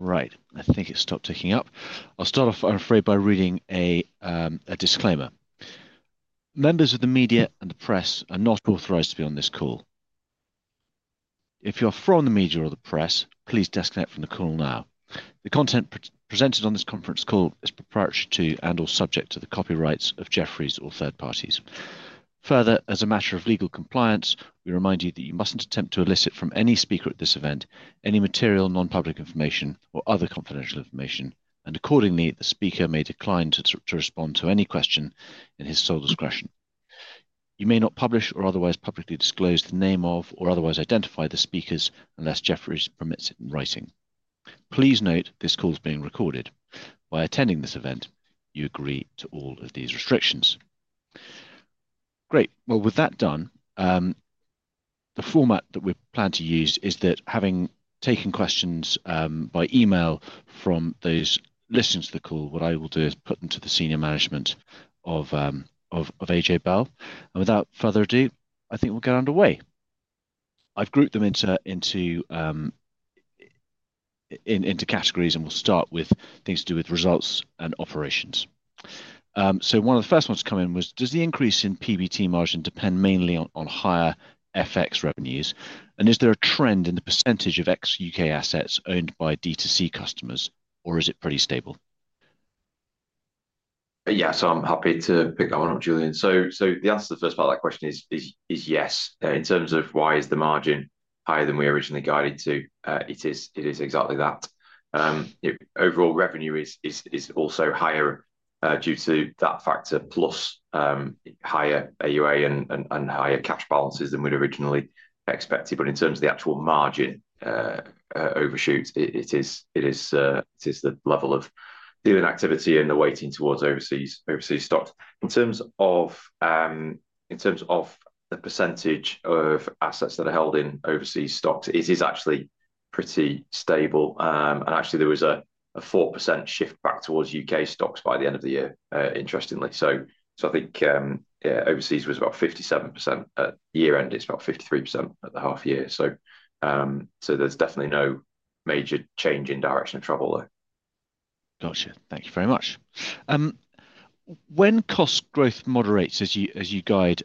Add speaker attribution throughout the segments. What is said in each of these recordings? Speaker 1: Right, I think it stopped taking up. I'll start off, I'm afraid, by reading a disclaimer. Members of the media and the press are not authorized to be on this call. If you're from the media or the press, please disconnect from the call now. The content presented on this conference call is proprietary to and/or subject to the copyrights of Jefferies or third parties. Further, as a matter of legal compliance, we remind you that you mustn't attempt to elicit from any speaker at this event any material, non-public information, or other confidential information, and accordingly, the speaker may decline to respond to any question in his sole discretion. You may not publish or otherwise publicly disclose the name of or otherwise identify the speakers unless Jefferies permits it in writing. Please note this call's being recorded. By attending this event, you agree to all of these restrictions. Great. With that done, the format that we plan to use is that having taken questions by email from those listening to the call, what I will do is put them to the senior management of AJ Bell. Without further ado, I think we'll get underway. I've grouped them into categories, and we'll start with things to do with results and operations. One of the first ones to come in was, does the increase in PBT margin depend mainly on higher FX revenues? Is there a trend in the percentage of ex-U.K. assets owned by D2C customers, or is it pretty stable?
Speaker 2: Yeah, so I'm happy to pick that one up, Julian. The answer to the first part of that question is yes. In terms of why is the margin higher than we originally guided to, it is exactly that. You know, overall revenue is also higher, due to that factor, plus higher AUA and higher cash balances than we'd originally expected. In terms of the actual margin overshoot, it is the level of dealing activity and the weighting towards overseas stocks. In terms of the percentage of assets that are held in overseas stocks, it is actually pretty stable. Actually, there was a 4% shift back towards U.K. stocks by the end of the year, interestingly. I think overseas was about 57% at year-end. It's about 53% at the half-year. There's definitely no major change in direction of travel there.
Speaker 1: Gotcha. Thank you very much. When cost growth moderates, as you guide,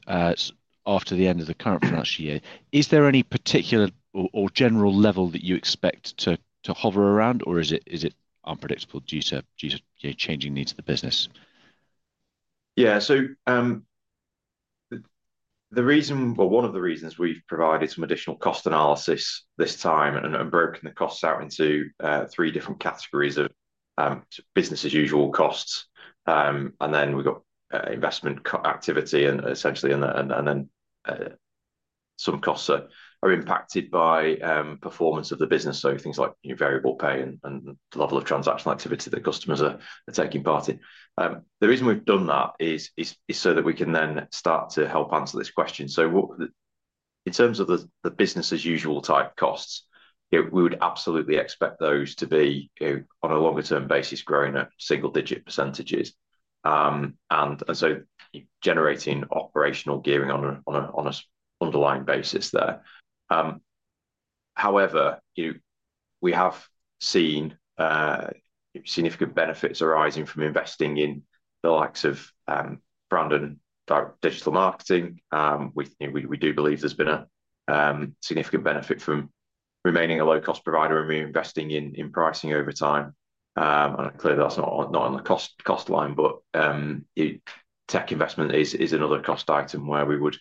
Speaker 1: after the end of the current financial year, is there any particular or general level that you expect to hover around, or is it unpredictable due to, you know, changing needs of the business?
Speaker 2: Yeah, so the reason, well, one of the reasons we've provided some additional cost analysis this time and broken the costs out into three different categories of business-as-usual costs, and then we've got investment activity and, essentially, and then some costs are impacted by performance of the business, so things like, you know, variable pay and the level of transactional activity that customers are taking part in. The reason we've done that is so that we can then start to help answer this question. In terms of the business-as-usual type costs, you know, we would absolutely expect those to be, you know, on a longer-term basis, growing at single-digit percentages, and so, you know, generating operational gearing on an underlying basis there. However, you know, we have seen significant benefits arising from investing in the likes of brand and direct digital marketing. We, you know, we do believe there's been a significant benefit from remaining a low-cost provider and reinvesting in pricing over time. Clearly, that's not on the cost line, but, you know, tech investment is another cost item where we would,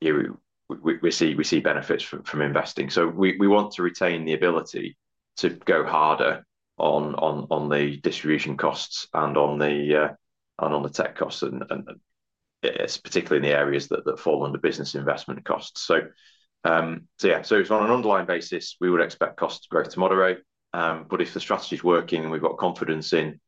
Speaker 2: you know, we see benefits from investing. We want to retain the ability to go harder on the distribution costs and on the tech costs, particularly in the areas that fall under business investment costs. Yeah, on an underlying basis, we would expect cost growth to moderate. If the strategy's working and we've got confidence in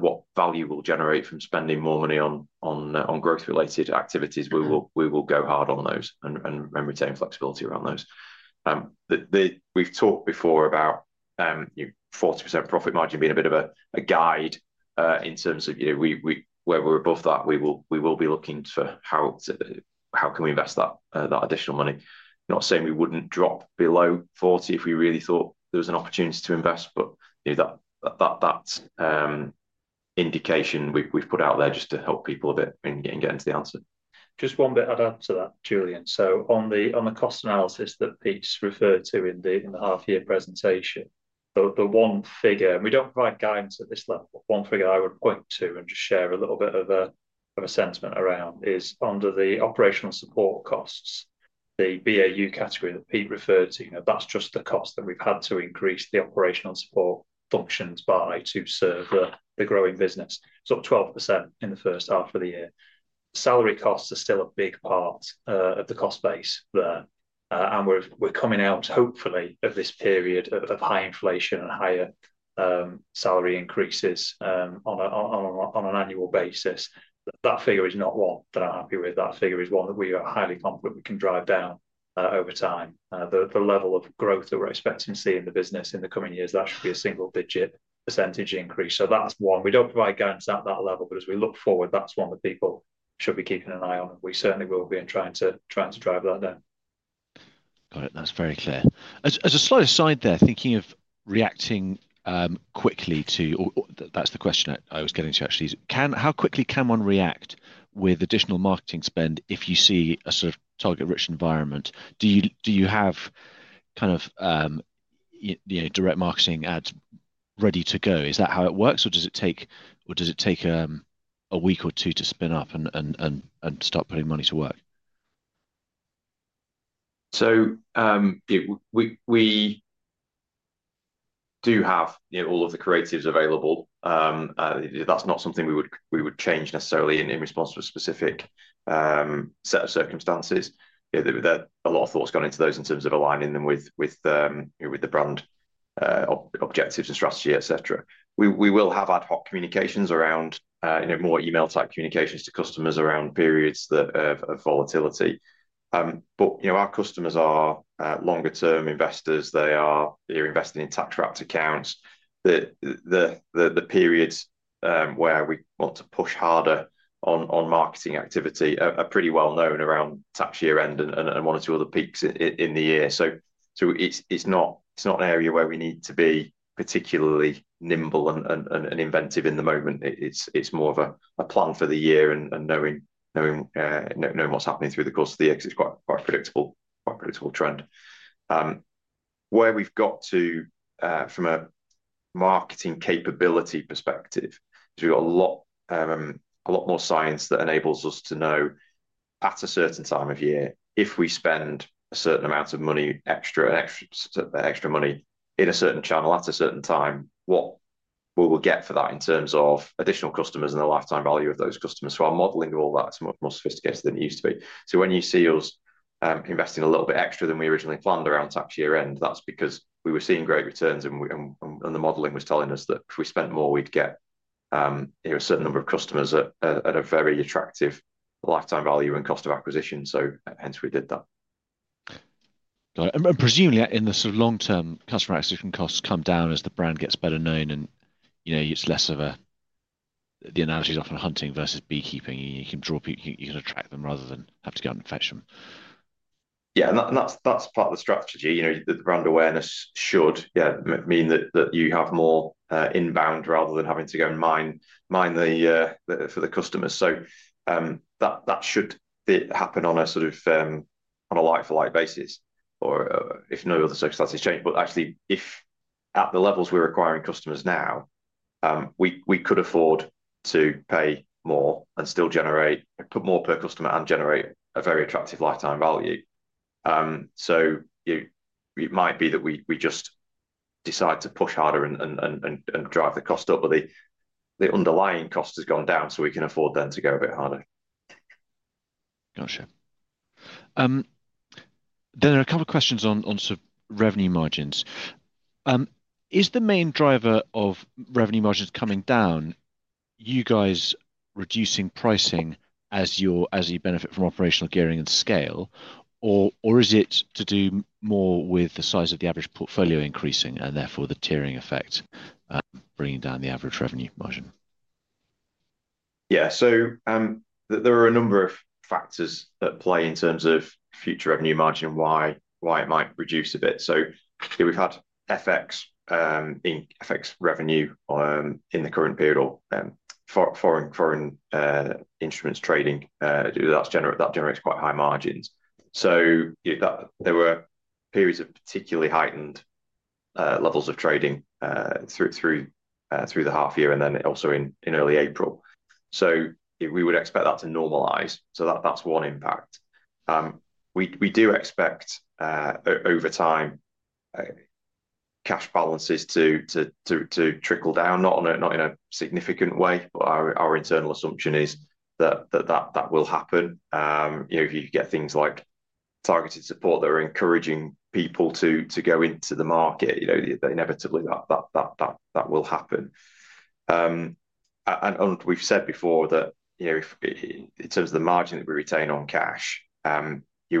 Speaker 2: what value we'll generate from spending more money on growth-related activities, we will go hard on those and retain flexibility around those. We've talked before about 40% profit margin being a bit of a guide, in terms of, you know, where we're above that, we will be looking to how can we invest that additional money. Not saying we wouldn't drop below 40% if we really thought there was an opportunity to invest, but, you know, that indication we've put out there just to help people a bit in getting to the answer.
Speaker 3: Just one bit I'd add to that, Julian. On the cost analysis that Pete's referred to in the half-year presentation, the one figure, and we don't provide guidance at this level, but one figure I would point to and just share a little bit of a sentiment around is under the operational support costs, the BAU category that Pete referred to, you know, that's just the cost that we've had to increase the operational support functions by to serve the growing business. It's up 12% in the first half of the year. Salary costs are still a big part of the cost base there, and we're coming out, hopefully, of this period of high inflation and higher salary increases on an annual basis. That figure is not one that I'm happy with. That figure is one that we are highly confident we can drive down over time. The level of growth that we're expecting to see in the business in the coming years, that should be a single-digit % increase. That is one. We do not provide guidance at that level, but as we look forward, that is one that people should be keeping an eye on, and we certainly will be trying to drive that down.
Speaker 1: Got it. That's very clear. As a slight aside there, thinking of reacting quickly to, or, or that's the question I was getting to, actually, is can, how quickly can one react with additional marketing spend if you see a sort of target-rich environment? Do you have kind of, you know, direct marketing ads ready to go? Is that how it works, or does it take a week or two to spin up and start putting money to work?
Speaker 2: You know, we do have, you know, all of the creatives available. You know, that's not something we would change necessarily in response to a specific set of circumstances. You know, there are a lot of thoughts gone into those in terms of aligning them with, you know, with the brand, objectives and strategy, etc. We will have ad hoc communications around, you know, more email-type communications to customers around periods of volatility. You know, our customers are longer-term investors. They are, you know, investing in tax-wrapped accounts. The periods where we want to push harder on marketing activity are pretty well known around tax year end and one or two other peaks in the year. It's not an area where we need to be particularly nimble and inventive in the moment. It's more of a plan for the year and knowing what's happening through the course of the year. It's quite a predictable trend. Where we've got to, from a marketing capability perspective, is we've got a lot more science that enables us to know at a certain time of year, if we spend a certain amount of extra money in a certain channel at a certain time, what we will get for that in terms of additional customers and the lifetime value of those customers. Our modeling of all that's much more sophisticated than it used to be. When you see us investing a little bit extra than we originally planned around tax year end, that's because we were seeing great returns, and the modeling was telling us that if we spent more, we'd get, you know, a certain number of customers at a very attractive lifetime value and cost of acquisition. Hence we did that.
Speaker 1: Got it. And presumably in the sort of long-term, customer acquisition costs come down as the brand gets better known and, you know, it's less of a, the analogy's often hunting versus beekeeping. You can draw people, you can attract them rather than have to go and fetch them.
Speaker 2: Yeah, and that's part of the strategy. You know, the brand awareness should, yeah, mean that you have more inbound rather than having to go and mine for the customers. That should happen on a sort of like-for-like basis or, if no other circumstances change. Actually, if at the levels we're acquiring customers now, we could afford to pay more and still generate, put more per customer and generate a very attractive lifetime value. You know, it might be that we just decide to push harder and drive the cost up, but the underlying cost has gone down, so we can afford then to go a bit harder.
Speaker 1: Gotcha. Then there are a couple of questions on, on sort of revenue margins. Is the main driver of revenue margins coming down, you guys reducing pricing as you're, as you benefit from operational gearing and scale, or is it to do more with the size of the average portfolio increasing and therefore the tiering effect, bringing down the average revenue margin?
Speaker 2: Yeah, there are a number of factors at play in terms of future revenue margin and why it might reduce a bit. You know, we've had FX, in FX revenue, in the current period or foreign instruments trading, that generates quite high margins. You know, there were periods of particularly heightened levels of trading through the half-year and then also in early April. You know, we would expect that to normalize. That is one impact. We do expect, over time, cash balances to trickle down, not in a significant way, but our internal assumption is that will happen. You know, if you get things like targeted support that are encouraging people to go into the market, you know, inevitably that will happen. And we've said before that, you know, if in terms of the margin that we retain on cash, you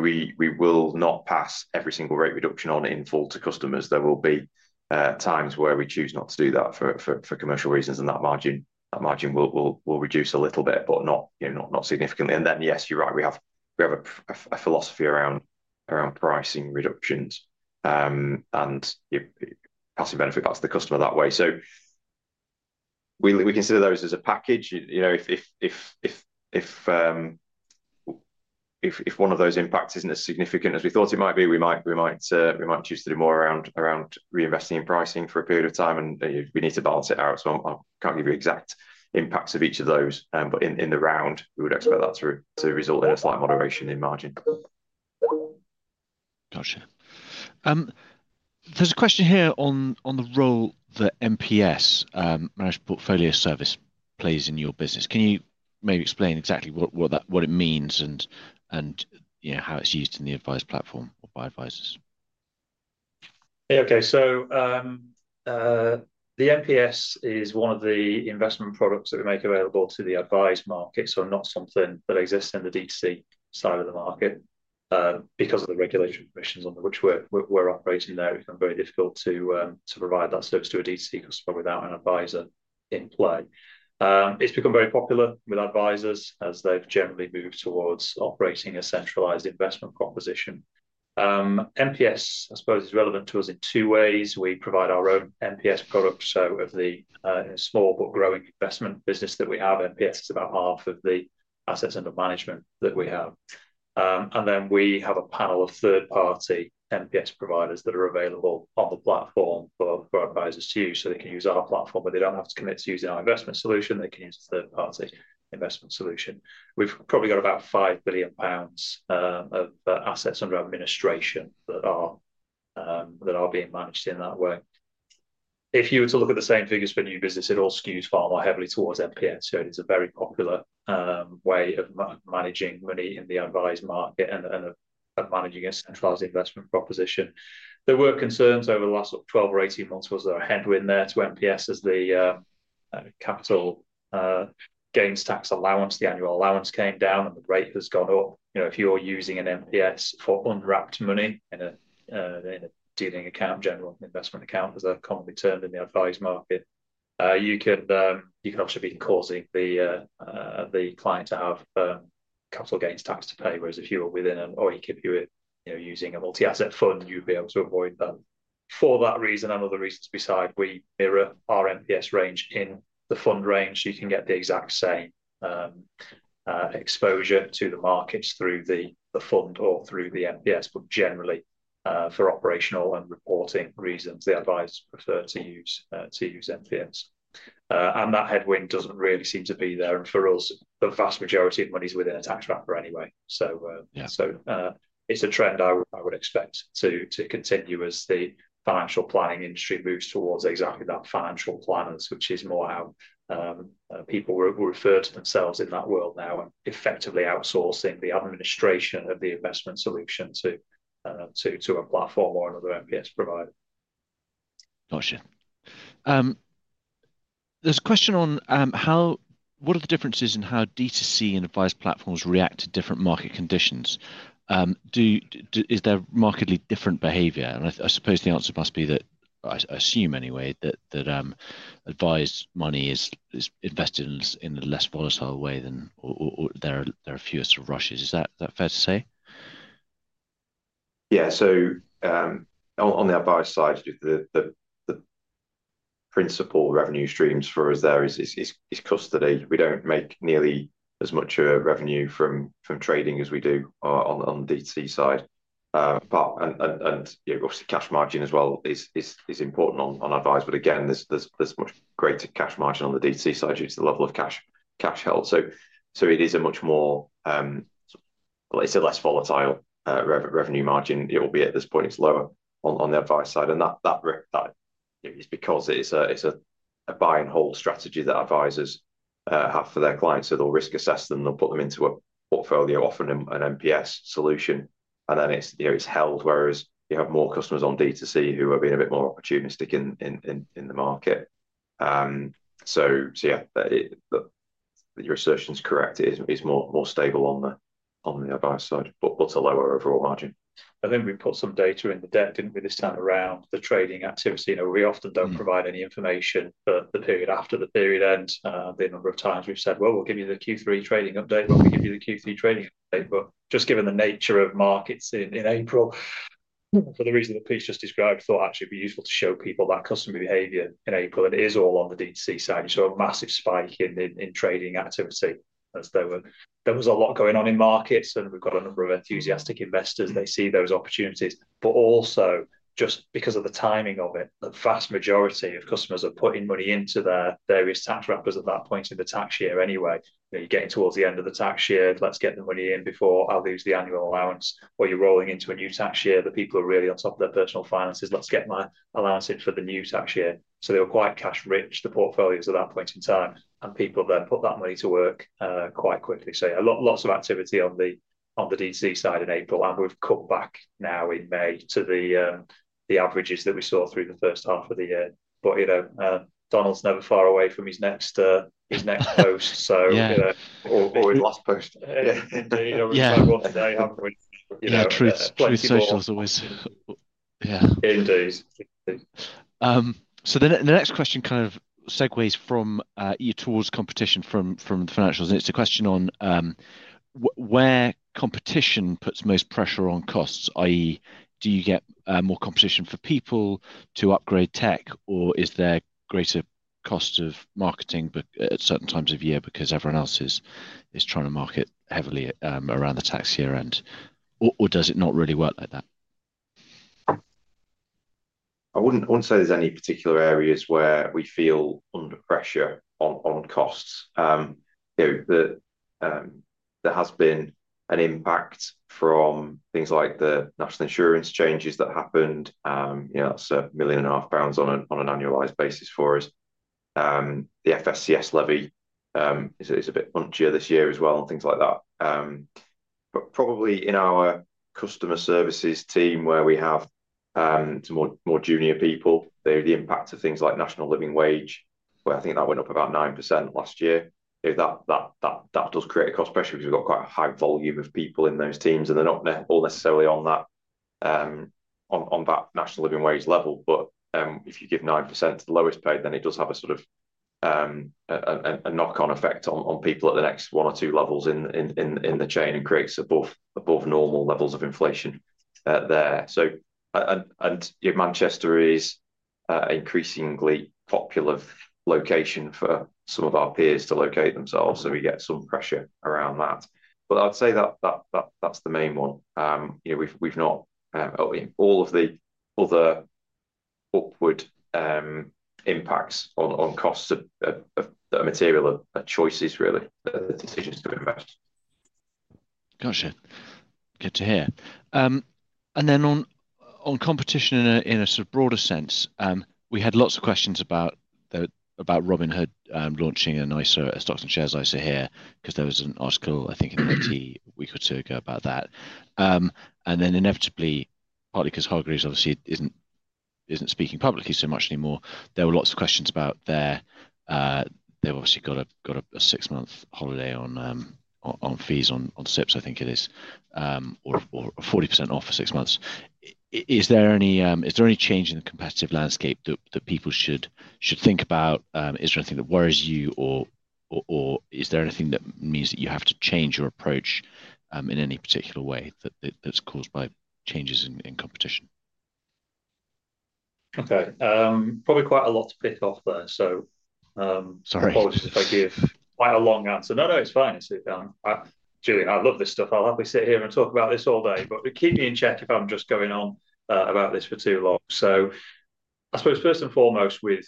Speaker 2: know, we will not pass every single rate reduction on in full to customers. There will be times where we choose not to do that for commercial reasons and that margin will reduce a little bit, but not, you know, not significantly. And then yes, you're right, we have a philosophy around pricing reductions, and, you know, passive benefit back to the customer that way. We consider those as a package. You know, if one of those impacts is not as significant as we thought it might be, we might choose to do more around reinvesting in pricing for a period of time. You know, we need to balance it out. I cannot give you exact impacts of each of those, but in the round, we would expect that to result in a slight moderation in margin.
Speaker 1: Gotcha. There's a question here on the role that MPS, Managed Portfolio Service, plays in your business. Can you maybe explain exactly what that means and, you know, how it's used in the advice platform or by advisors?
Speaker 3: Yeah, okay. The MPS is one of the investment products that we make available to the advised market, so not something that exists in the DTC side of the market, because of the regulation permissions on which we're operating there. It's been very difficult to provide that service to a DTC customer without an advisor in play. It's become very popular with advisors as they've generally moved towards operating a centralized investment proposition. MPS, I suppose, is relevant to us in two ways. We provide our own MPS product, so of the small but growing investment business that we have, MPS is about half of the assets under management that we have. Then we have a panel of third-party MPS providers that are available on the platform for advisors to use. They can use our platform, but they do not have to commit to using our investment solution. They can use a third-party investment solution. We have probably got about 5 billion pounds of assets under administration that are being managed in that way. If you were to look at the same figures for new business, it all skews far more heavily towards MPS. It is a very popular way of managing money in the advised market and of managing a centralized investment proposition. There were concerns over the last sort of 12 or 18 months whether there was a headwind there to MPS as the capital gains tax allowance, the annual allowance, came down and the rate has gone up. You know, if you are using an MPS for unwrapped money in a, in a dealing account, general investment account, as they're commonly termed in the advised market, you can, you can obviously be causing the, the client to have capital gains tax to pay. Whereas if you were within an OEIC, you know, using a multi-asset fund, you'd be able to avoid that. For that reason and other reasons beside, we mirror our MPS range in the fund range. You can get the exact same exposure to the markets through the, the fund or through the MPS, but generally, for operational and reporting reasons, the advisors prefer to use, to use MPS. That headwind doesn't really seem to be there. For us, the vast majority of money's within a tax wrapper anyway. It's a trend I would expect to continue as the financial planning industry moves towards exactly that, financial planners, which is more how people refer to themselves in that world now and effectively outsourcing the administration of the investment solution to a platform or another MPS provider.
Speaker 1: Gotcha. There's a question on how, what are the differences in how DTC and advice platforms react to different market conditions? Do, do, is there markedly different behavior? I, I suppose the answer must be that, I, I assume anyway, that, that advised money is, is invested in, in a less volatile way than, or, or, or there are, there are fewer sort of rushes. Is that, that fair to say?
Speaker 2: Yeah. On the advised side, the principal revenue streams for us there is custody. We do not make nearly as much revenue from trading as we do on the DTC side, and, you know, obviously cash margin as well is important on advised. Again, there is much greater cash margin on the DTC side due to the level of cash held. It is a much more, it is a less volatile revenue margin. At this point, it is lower on the advised side. That is because it is a buy-and-hold strategy that advisors have for their clients. They will risk assess them, they will put them into a portfolio, often an MPS solution, and then it is held. Whereas you have more customers on DTC who are being a bit more opportunistic in the market. Yeah, your assertion's correct. It is more stable on the advised side, but a lower overall margin.
Speaker 3: I think we put some data in the deck, didn't we, this time around the trading activity. You know, we often don't provide any information for the period after the period end. The number of times we've said, we'll give you the Q3 trading update. We'll give you the Q3 trading update. Just given the nature of markets in April, for the reason that Pete's just described, thought actually it'd be useful to show people that customer behavior in April. It is all on the DTC side. You saw a massive spike in trading activity as there was a lot going on in markets and we've got a number of enthusiastic investors. They see those opportunities, but also just because of the timing of it, the vast majority of customers are putting money into their various tax wrappers at that point in the tax year anyway. You know, you're getting towards the end of the tax year. Let's get the money in before I lose the annual allowance or you're rolling into a new tax year that people are really on top of their personal finances. Let's get my allowance in for the new tax year. They were quite cash rich, the portfolios at that point in time. People then put that money to work, quite quickly. Yeah, lots of activity on the DTC side in April. We have come back now in May to the averages that we saw through the first half of the year. You know, Donald's never far away from his next, his next post. So, you know.
Speaker 2: Or his last post.
Speaker 3: Yeah, indeed. You know, we've done one today, haven't we? You know.
Speaker 1: Yeah, truth. Social is always, yeah.
Speaker 2: Indeed.
Speaker 1: The next question kind of segues from your tools competition from the financials. It's a question on where competition puts most pressure on costs, i.e., do you get more competition for people to upgrade tech or is there greater cost of marketing at certain times of year because everyone else is trying to market heavily around the tax year end? Or does it not really work like that?
Speaker 2: I would not say there are any particular areas where we feel under pressure on costs. You know, there has been an impact from things like the national insurance changes that happened. You know, that is 1.5 million on an annualized basis for us. The FSCS levy is a bit punchier this year as well and things like that. Probably in our customer services team where we have some more junior people, the impact of things like national living wage, where I think that went up about 9% last year, you know, that does create a cost pressure because we have quite a high volume of people in those teams and they are not all necessarily on that national living wage level. If you give 9% to the lowest paid, it does have a sort of knock-on effect on people at the next one or two levels in the chain and creates above normal levels of inflation there. You know, Manchester is an increasingly popular location for some of our peers to locate themselves. We get some pressure around that. I'd say that's the main one. You know, we've not, all of the other upward impacts on costs are of material, of choices really, the decisions to invest.
Speaker 1: Gotcha. Good to hear. And then on competition in a sort of broader sense, we had lots of questions about Robinhood launching an ISA, a Stocks and shares ISA here 'cause there was an article I think in the week or two ago about that. And then inevitably, partly 'cause Hargreaves obviously isn't speaking publicly so much anymore, there were lots of questions about their, they've obviously got a six-month holiday on fees on SIPPs, I think it is, or 40% off for six months. Is there any change in the competitive landscape that people should think about? Is there anything that worries you, or is there anything that means that you have to change your approach in any particular way that's caused by changes in competition?
Speaker 3: Okay. Probably quite a lot to pick off there.
Speaker 1: Sorry.
Speaker 3: Apologies if I give quite a long answer. No, no, it's fine. It's a, Julian, I love this stuff. I'll have to sit here and talk about this all day, but keep me in check if I'm just going on about this for too long. I suppose first and foremost with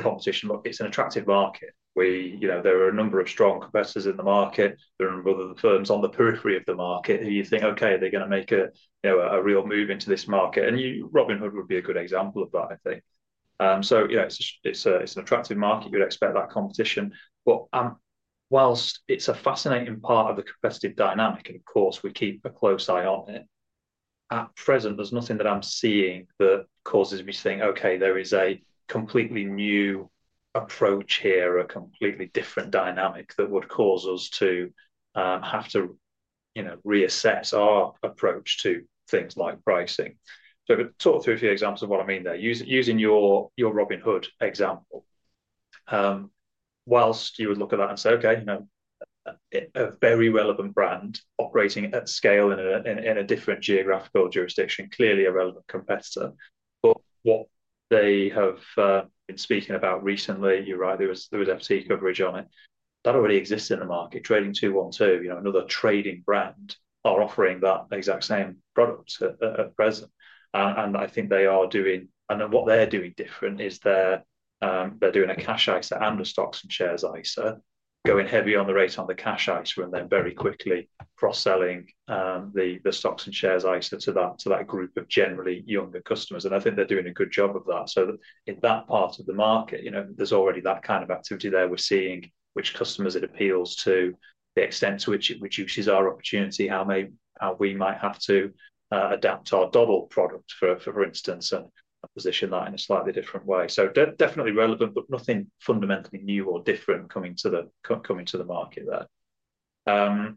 Speaker 3: competition, look, it's an attractive market. We, you know, there are a number of strong competitors in the market. There are a number of the firms on the periphery of the market who you think, okay, they're gonna make a, you know, a real move into this market. Robinhood would be a good example of that, I think. You know, it's an attractive market. You'd expect that competition. Whilst it's a fascinating part of the competitive dynamic, and of course we keep a close eye on it, at present, there's nothing that I'm seeing that causes me to think, okay, there is a completely new approach here, a completely different dynamic that would cause us to, have to, you know, reassess our approach to things like pricing. Talk through a few examples of what I mean there. Using your Robinhood example, whilst you would look at that and say, okay, you know, a very relevant brand operating at scale in a, in a different geographical jurisdiction, clearly a relevant competitor. What they have been speaking about recently, you're right, there was FTE coverage on it. That already exists in the market. Trading 212, you know, another trading brand, are offering that exact same product at present. I think they are doing, and then what they're doing different is they're doing a cash ISA and a Stocks and shares ISA, going heavy on the rate on the cash ISA and then very quickly cross-selling the Stocks and shares ISA to that group of generally younger customers. I think they're doing a good job of that. In that part of the market, you know, there's already that kind of activity there we're seeing, which customers it appeals to, the extent to which it reduces our opportunity, how we might have to adapt our Dodl product, for instance, and position that in a slightly different way. Definitely relevant, but nothing fundamentally new or different coming to the market there.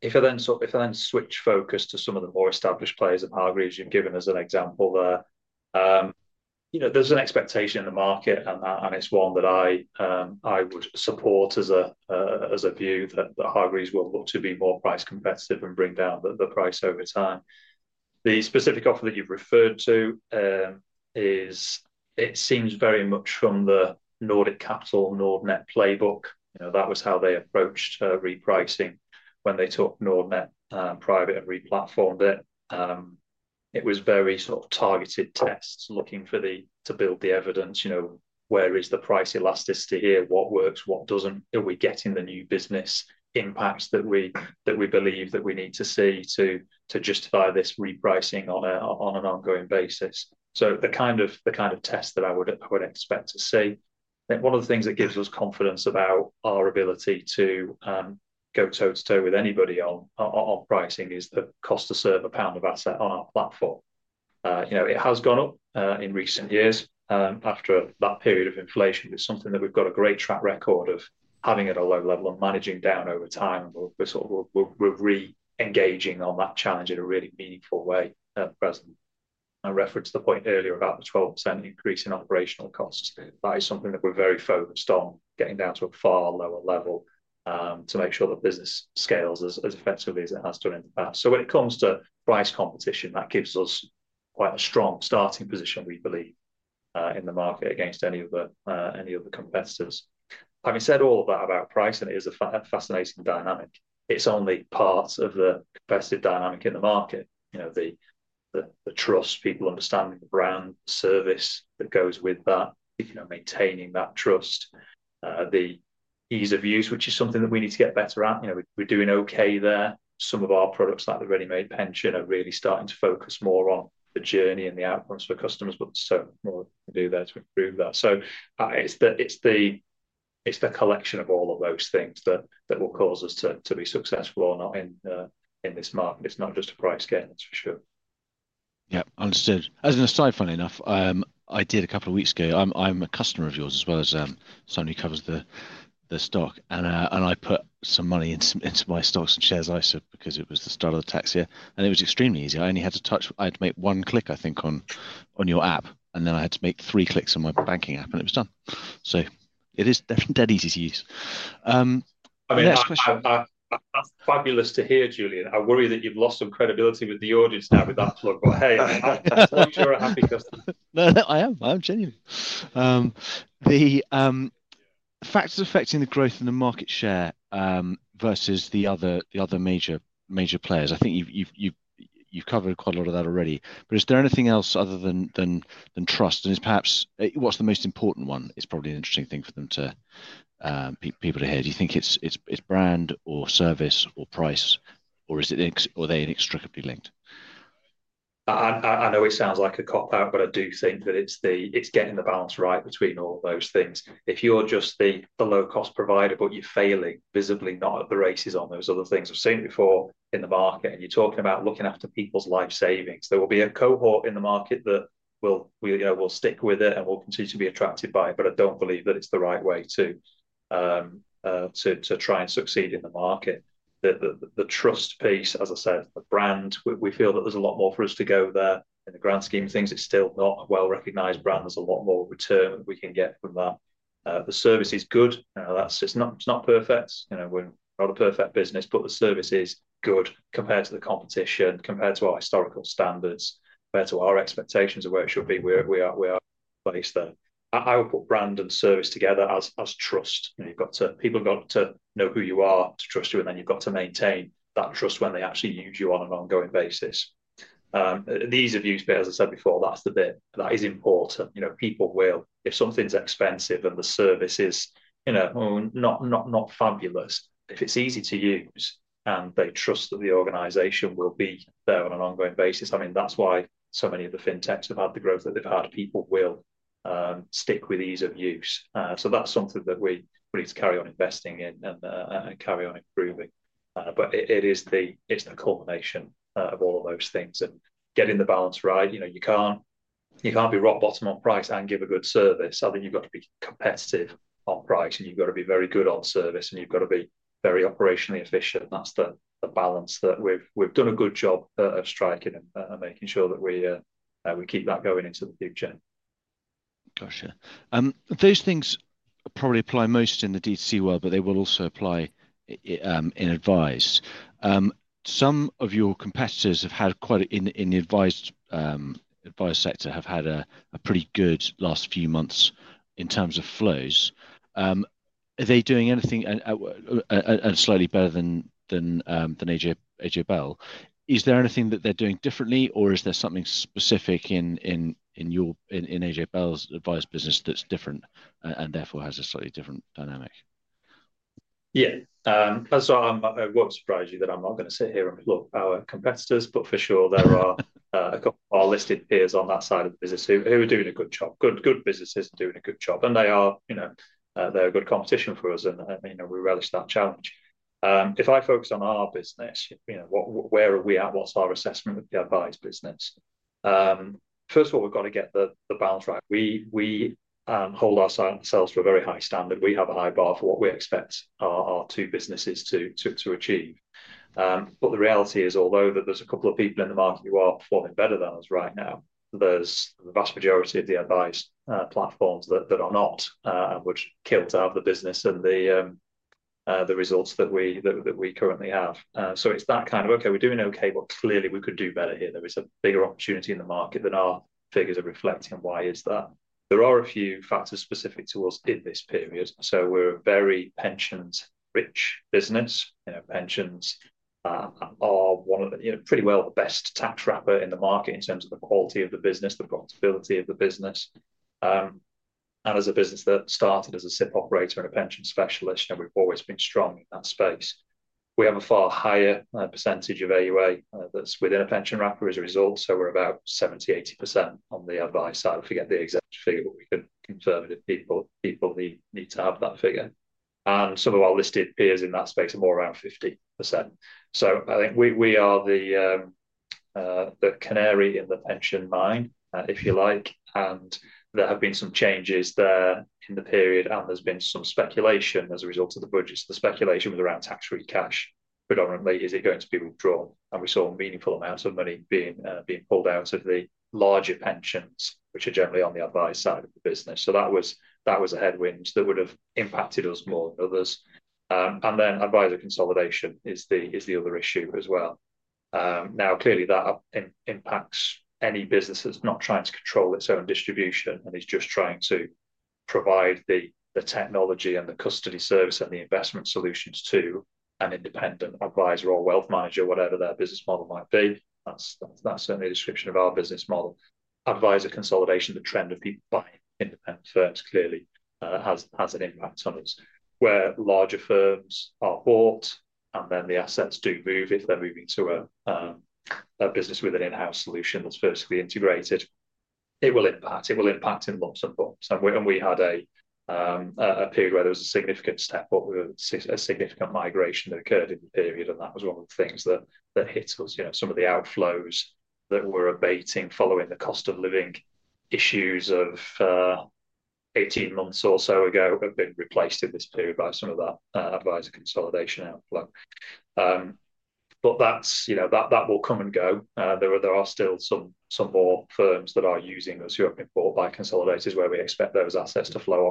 Speaker 3: If I then sort of, if I then switch focus to some of the more established players at Hargreaves, you've given us an example there. You know, there's an expectation in the market and it's one that I would support as a view that Hargreaves will look to be more price competitive and bring down the price over time. The specific offer that you've referred to, it seems very much from the Nordic Capital Nordnet playbook. You know, that was how they approached repricing when they took Nordnet private and replatformed it. It was very sort of targeted tests looking for the, to build the evidence, you know, where is the price elasticity here, what works, what doesn't? Are we getting the new business impacts that we believe that we need to see to justify this repricing on an ongoing basis? The kind of test that I would expect to see. I think one of the things that gives us confidence about our ability to go toe to toe with anybody on pricing is the cost to serve a pound of asset on our platform. You know, it has gone up in recent years after that period of inflation. It is something that we have got a great track record of having at a low level and managing down over time. We are sort of re-engaging on that challenge in a really meaningful way at present. I referenced the point earlier about the 12% increase in operational costs. That is something that we're very focused on getting down to a far lower level, to make sure the business scales as effectively as it has done in the past. When it comes to price competition, that gives us quite a strong starting position, we believe, in the market against any of the competitors. Having said all of that about price, and it is a fascinating dynamic, it's only part of the competitive dynamic in the market. You know, the trust, people understanding the brand, the service that goes with that, you know, maintaining that trust, the ease of use, which is something that we need to get better at. You know, we're doing okay there. Some of our products like the Ready-Made Pension are really starting to focus more on the journey and the outcomes for customers, but more to do there to improve that. It is the collection of all of those things that will cause us to be successful or not in this market. It is not just a price game, that is for sure.
Speaker 1: Yep. Understood. As an aside, funny enough, I did a couple of weeks ago, I'm a customer of yours as well as somebody who covers the stock. I put some money into my Stocks and shares ISA because it was the start of the tax year. It was extremely easy. I only had to touch, I had to make one click, I think, on your app, and then I had to make three clicks on my banking app and it was done. It is definitely dead easy to use.
Speaker 3: I mean, that's fabulous to hear, Julian. I worry that you've lost some credibility with the audience now with that plug, but hey, I'm sure a happy customer.
Speaker 1: No, I am. I'm genuine. The factors affecting the growth in the market share versus the other major players. I think you've covered quite a lot of that already, but is there anything else other than trust? And it's perhaps, what's the most important one? It's probably an interesting thing for people to hear. Do you think it's brand or service or price, or are they inextricably linked?
Speaker 3: I know it sounds like a cop-out, but I do think that it's getting the balance right between all of those things. If you are just the low-cost provider, but you're failing visibly, not at the races on those other things. I've seen it before in the market and you're talking about looking after people's life savings. There will be a cohort in the market that will, you know, will stick with it and will continue to be attracted by it. I don't believe that it's the right way to try and succeed in the market. The trust piece, as I said, the brand, we feel that there's a lot more for us to go there in the grand scheme of things. It's still not a well-recognized brand. There's a lot more return that we can get from that. The service is good. You know, it's not perfect. You know, we're not a perfect business, but the service is good compared to the competition, compared to our historical standards, compared to our expectations of where it should be. We are placed there. I would put brand and service together as trust. You know, people have got to know who you are to trust you, and then you've got to maintain that trust when they actually use you on an ongoing basis. The ease of use, but as I said before, that's the bit that is important. You know, people will, if something's expensive and the service is, you know, not, not fabulous, if it's easy to use and they trust that the organization will be there on an ongoing basis. I mean, that's why so many of the fintechs have had the growth that they've had. People will stick with ease of use. So that's something that we need to carry on investing in and carry on improving. But it is the culmination of all of those things and getting the balance right. You know, you can't be rock bottom on price and give a good service. I think you've got to be competitive on price and you've got to be very good on service and you've got to be very operationally efficient. That's the balance that we've done a good job of striking and making sure that we keep that going into the future.
Speaker 1: Gotcha. Those things probably apply most in the DTC world, but they will also apply in advice. Some of your competitors have had quite a, in the advised, advice sector have had a pretty good last few months in terms of flows. Are they doing anything slightly better than AJ Bell? Is there anything that they're doing differently or is there something specific in AJ Bell's advice business that's different and therefore has a slightly different dynamic?
Speaker 3: Yeah. That's why I'm, I won't surprise you that I'm not gonna sit here and plug our competitors, but for sure there are a couple of our listed peers on that side of the business who are doing a good job. Good businesses are doing a good job and they are, you know, they're a good competition for us and, you know, we relish that challenge. If I focus on our business, you know, what, where are we at? What's our assessment of the advice business? First of all, we've gotta get the balance right. We hold ourselves to a very high standard. We have a high bar for what we expect our two businesses to achieve. The reality is, although there's a couple of people in the market who are performing better than us right now, the vast majority of the advice platforms are not, and would kill to have the business and the results that we currently have. It's that kind of, okay, we're doing okay, but clearly we could do better here. There is a bigger opportunity in the market than our figures are reflecting. Why is that? There are a few factors specific to us in this period. We're a very pension-rich business. You know, pensions are one of the, you know, pretty well the best tax wrapper in the market in terms of the quality of the business, the profitability of the business. As a business that started as a SIPP operator and a pension specialist, you know, we've always been strong in that space. We have a far higher percentage of AUA that's within a pension wrapper as a result. We're about 70-80% on the advice side. I forget the exact figure, but we can confirm it if people need to have that figure. Some of our listed peers in that space are more around 50%. I think we are the canary in the pension mine, if you like. There have been some changes there in the period and there's been some speculation as a result of the budgets. The speculation was around tax-free cash predominantly. Is it going to be withdrawn? We saw a meaningful amount of money being pulled out of the larger pensions, which are generally on the advice side of the business. That was a headwind that would have impacted us more than others. Advisor consolidation is the other issue as well. Now, clearly that impacts any business that is not trying to control its own distribution and is just trying to provide the technology and the custody service and the investment solutions to an independent advisor or wealth manager, whatever their business model might be. That is certainly a description of our business model. Advisor consolidation, the trend of people buying independent firms, clearly has an impact on us where larger firms are bought and then the assets do move if they are moving to a business with an in-house solution that is vertically integrated. It will impact, it will impact in lots of forms. We had a period where there was a significant step up, a significant migration that occurred in the period. That was one of the things that hit us. You know, some of the outflows that were abating following the cost of living issues of 18 months or so ago have been replaced in this period by some of that advisor consolidation outflow. That will come and go. There are still some more firms that are using us who have been bought by consolidators where we expect those assets to flow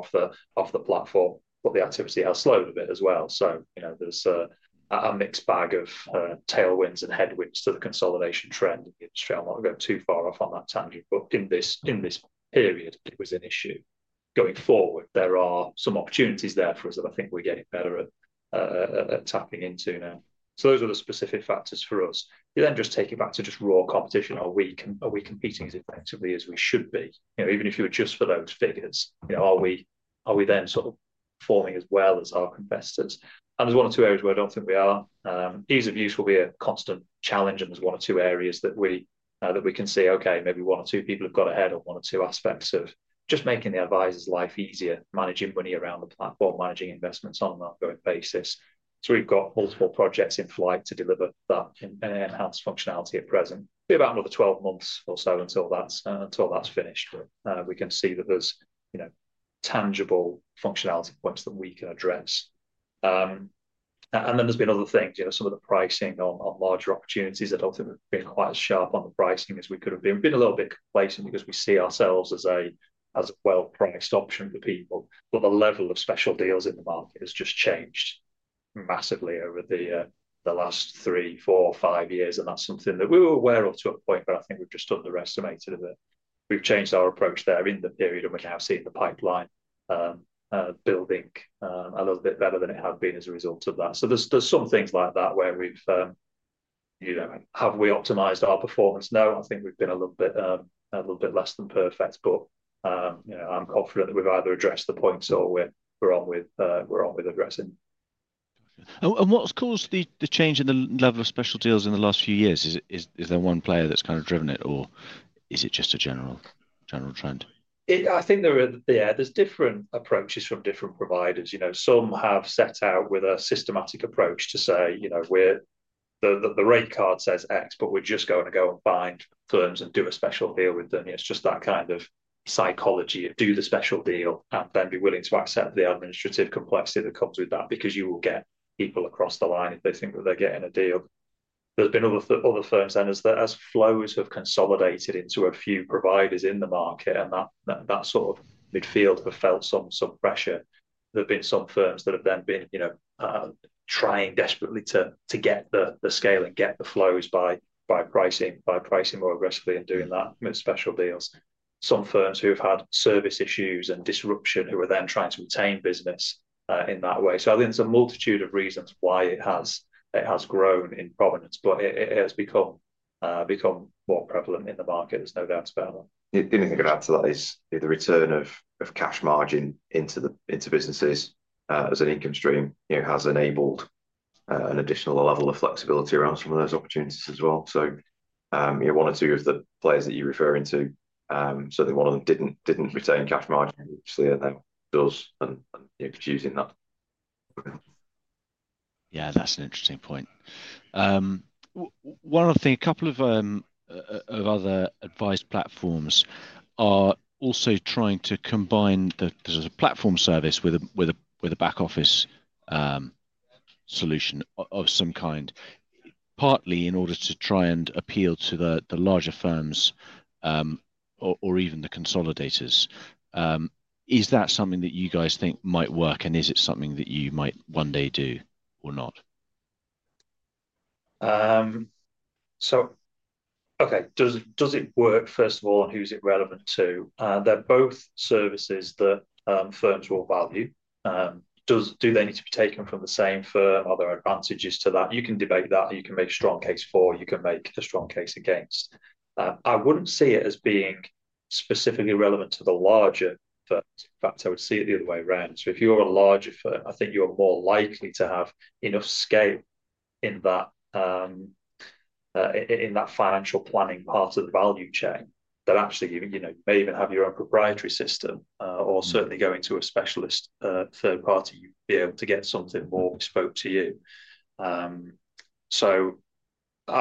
Speaker 3: off the platform, but the activity has slowed a bit as well. You know, there is a mixed bag of tailwinds and headwinds to the consolidation trend in the industry. I'm not gonna go too far off on that tangent, but in this, in this period, it was an issue going forward. There are some opportunities there for us that I think we're getting better at, tapping into now. So those are the specific factors for us. You then just take it back to just raw competition. Are we, are we competing as effectively as we should be? You know, even if you adjust for those figures, you know, are we, are we then sort of performing as well as our competitors? And there's one or two areas where I don't think we are. Ease of use will be a constant challenge. There is one or two areas that we can see, okay, maybe one or two people have got ahead on one or two aspects of just making the advisor's life easier, managing money around the platform, managing investments on an ongoing basis. We have multiple projects in flight to deliver that in an enhanced functionality at present. It will be about another 12 months or so until that is finished. We can see that there are tangible functionality points that we can address. There have been other things, some of the pricing on larger opportunities that ultimately have been quite sharp on the pricing as we could have been. We've been a little bit complacent because we see ourselves as a, as a well-priced option for people, but the level of special deals in the market has just changed massively over the last three, four, five years. That's something that we were aware of to a point, but I think we've just underestimated a bit. We've changed our approach there in the period and we're now seeing the pipeline building a little bit better than it had been as a result of that. There's some things like that where we've, you know, have we optimized our performance? No, I think we've been a little bit, a little bit less than perfect, but, you know, I'm confident that we've either addressed the points or we're on with addressing.
Speaker 1: Gotcha. What's caused the change in the level of special deals in the last few years? Is there one player that's kind of driven it or is it just a general trend?
Speaker 3: I think there are, yeah, different approaches from different providers. You know, some have set out with a systematic approach to say, you know, the rate card says X, but we're just gonna go and find firms and do a special deal with them. It's just that kind of psychology of do the special deal and then be willing to accept the administrative complexity that comes with that because you will get people across the line if they think that they're getting a deal. There have been other firms then as flows have consolidated into a few providers in the market and that sort of midfield have felt some pressure. There've been some firms that have then been, you know, trying desperately to get the scale and get the flows by pricing more aggressively and doing that with special deals. Some firms who have had service issues and disruption who are then trying to retain business in that way. I think there's a multitude of reasons why it has grown in provenance, but it has become more prevalent in the market. There's no doubt about that.
Speaker 1: Anything to add to that is the return of cash margin into the businesses, as an income stream, you know, has enabled an additional level of flexibility around some of those opportunities as well. You know, one or two of the players that you refer into, certainly one of them did not retain cash margin initially and then does and, you know, is using that. Okay. Yeah, that's an interesting point. One other thing, a couple of other advice platforms are also trying to combine the platform service with a back office solution of some kind, partly in order to try and appeal to the larger firms, or even the consolidators. Is that something that you guys think might work and is it something that you might one day do or not?
Speaker 3: Okay, does it work first of all and who's it relevant to? They're both services that firms will value. Do they need to be taken from the same firm? Are there advantages to that? You can debate that. You can make a strong case for, you can make a strong case against. I wouldn't see it as being specifically relevant to the larger firms. In fact, I would see it the other way around. If you are a larger firm, I think you are more likely to have enough scale in that financial planning part of the value chain that actually even, you know, you may even have your own proprietary system, or certainly going to a specialist third party, you'd be able to get something more bespoke to you. I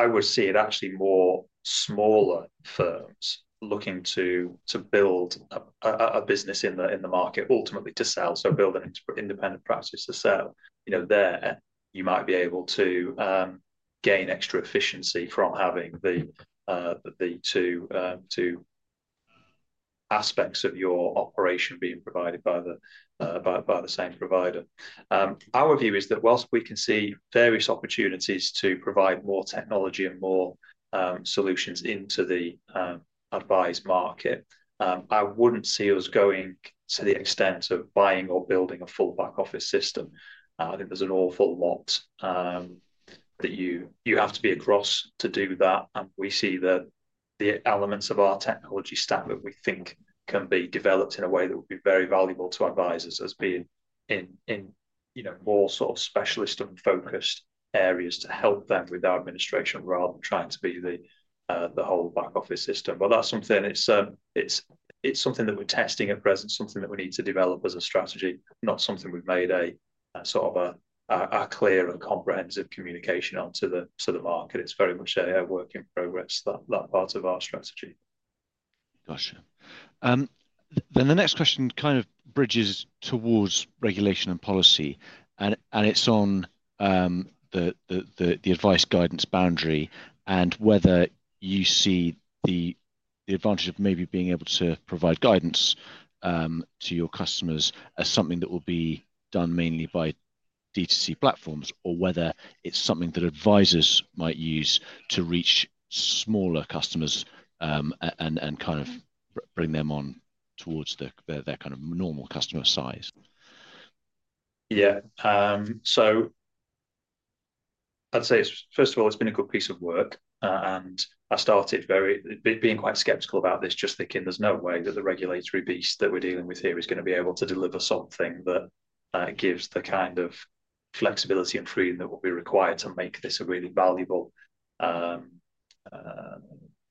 Speaker 3: would see it actually more smaller firms looking to build a business in the market ultimately to sell. Build an independent practice to sell, you know, there you might be able to gain extra efficiency from having the two aspects of your operation being provided by the same provider. Our view is that whilst we can see various opportunities to provide more technology and more solutions into the advice market, I would not see us going to the extent of buying or building a full back office system. I think there is an awful lot that you have to be across to do that. We see that the elements of our technology stack that we think can be developed in a way that would be very valuable to advisors as being in, you know, more sort of specialist and focused areas to help them with our administration rather than trying to be the whole back office system. That is something, it is something that we are testing at present, something that we need to develop as a strategy, not something we have made a sort of clear and comprehensive communication onto the market. It is very much a work in progress, that part of our strategy.
Speaker 1: Gotcha. The next question kind of bridges towards regulation and policy, and it's on the advice guidance boundary and whether you see the advantage of maybe being able to provide guidance to your customers as something that will be done mainly by DTC platforms or whether it's something that advisors might use to reach smaller customers and kind of bring them on towards their kind of normal customer size.
Speaker 3: Yeah. I'd say, first of all, it's been a good piece of work. I started being quite skeptical about this, just thinking there's no way that the regulatory beast that we're dealing with here is going to be able to deliver something that gives the kind of flexibility and freedom that will be required to make this a really valuable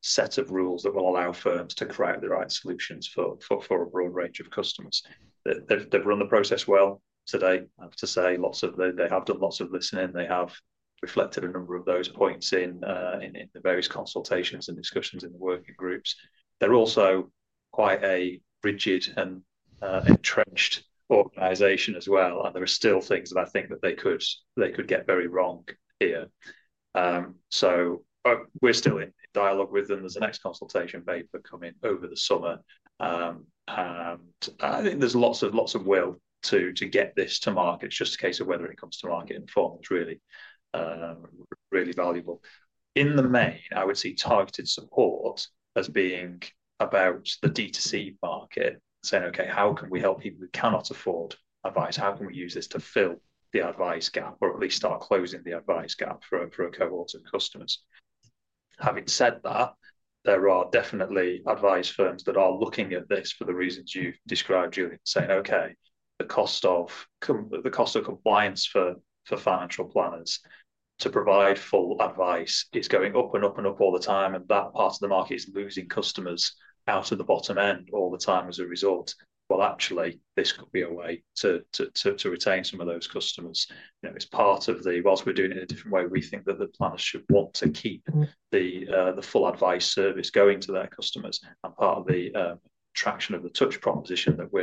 Speaker 3: set of rules that will allow firms to create the right solutions for a broad range of customers. They've run the process well to date. I have to say they have done lots of listening. They have reflected a number of those points in the various consultations and discussions in the working groups. They're also quite a rigid and entrenched organization as well. There are still things that I think they could get very wrong here. We're still in dialogue with them. There's an ex-consultation paper coming over the summer. I think there's lots of will to get this to market. It's just a case of whether it comes to market in form is really, really valuable. In the main, I would see targeted support as being about the DTC market, saying, okay, how can we help people who cannot afford advice? How can we use this to fill the advice gap or at least start closing the advice gap for a cohort of customers? Having said that, there are definitely advice firms that are looking at this for the reasons you've described, Julian, saying, okay, the cost of compliance for financial planners to provide full advice is going up and up and up all the time. That part of the market is losing customers out of the bottom end all the time as a result. Actually, this could be a way to retain some of those customers. You know, it's part of the, whilst we're doing it in a different way, we think that the planners should want to keep the full advice service going to their customers. Part of the traction of the Touch proposition that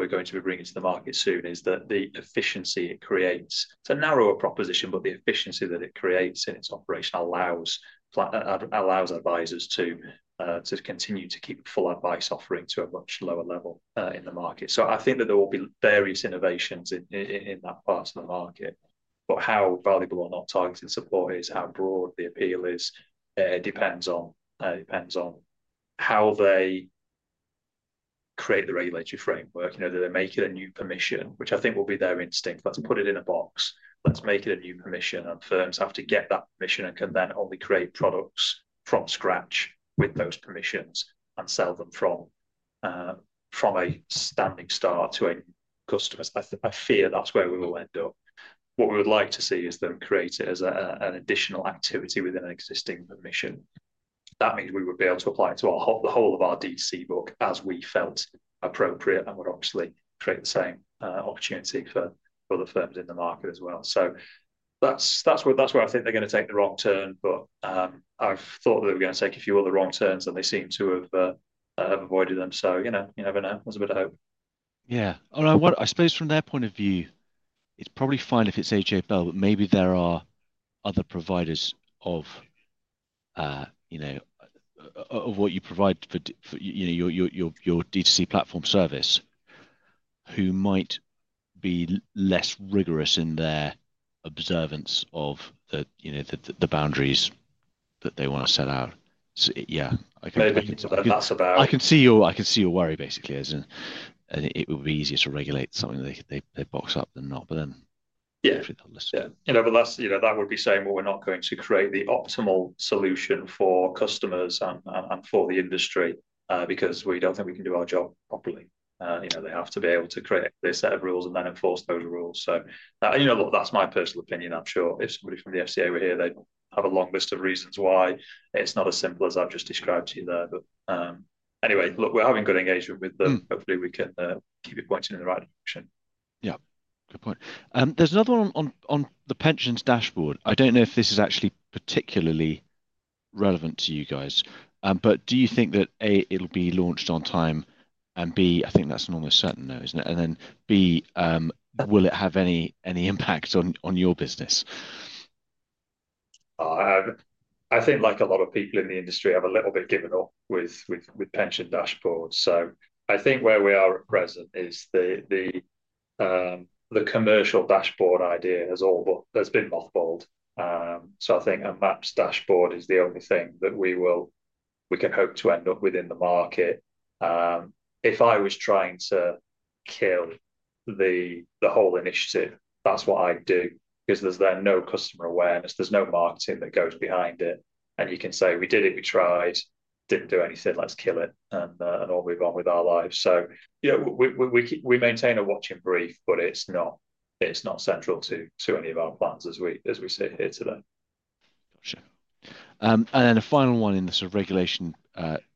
Speaker 3: we're going to be bringing to the market soon is that the efficiency it creates, it's a narrower proposition, but the efficiency that it creates in its operation allows advisors to continue to keep a full advice offering to a much lower level in the market. I think that there will be various innovations in that part of the market. How valuable or not targeted support is, how broad the appeal is, depends on how they create the regulatory framework, you know, that they make it a new permission, which I think will be their instinct. Let's put it in a box. Let's make it a new permission. Firms have to get that permission and can then only create products from scratch with those permissions and sell them from a standing start to new customers. I fear that's where we will end up. What we would like to see is them create it as an additional activity within an existing permission. That means we would be able to apply it to the whole of our DTC book as we felt appropriate and would obviously create the same opportunity for other firms in the market as well. That is where I think they are gonna take the wrong turn. I have thought that they were gonna take a few other wrong turns and they seem to have avoided them. You never know. There is a bit of hope.
Speaker 1: Yeah. All right. What I suppose from their point of view, it's probably fine if it's AJ Bell, but maybe there are other providers of, you know, what you provide for, you know, your DTC platform service who might be less rigorous in their observance of the, you know, the boundaries that they want to set out. Yeah. Okay.
Speaker 3: Maybe that's about.
Speaker 1: I can see your worry basically as in, and it would be easier to regulate something that they box up than not, but then.
Speaker 3: Yeah.
Speaker 1: Hopefully they'll listen.
Speaker 3: Yeah. You know, that would be saying, well, we're not going to create the optimal solution for customers and for the industry, because we do not think we can do our job properly. You know, they have to be able to create this set of rules and then enforce those rules. That is my personal opinion. I am sure if somebody from the FCA were here, they would have a long list of reasons why it is not as simple as I have just described to you there. Anyway, we are having good engagement with them. Hopefully we can keep it pointing in the right direction.
Speaker 1: Yeah. Good point. There's another one on the pensions dashboard. I don't know if this is actually particularly relevant to you guys. Do you think that, A, it'll be launched on time and, B, I think that's an almost certain no, isn't it? Then, B, will it have any impact on your business?
Speaker 3: I think like a lot of people in the industry have a little bit given up with pension dashboards. I think where we are at present is the commercial dashboard idea has all but been mothballed. I think a MaPS dashboard is the only thing that we can hope to end up with in the market. If I was trying to kill the whole initiative, that's what I'd do because there's then no customer awareness. There's no marketing that goes behind it. You can say, we did it, we tried, didn't do anything, let's kill it and all move on with our lives. You know, we keep, we maintain a watching brief, but it's not central to any of our plans as we sit here today.
Speaker 1: Gotcha. And then a final one in the sort of regulation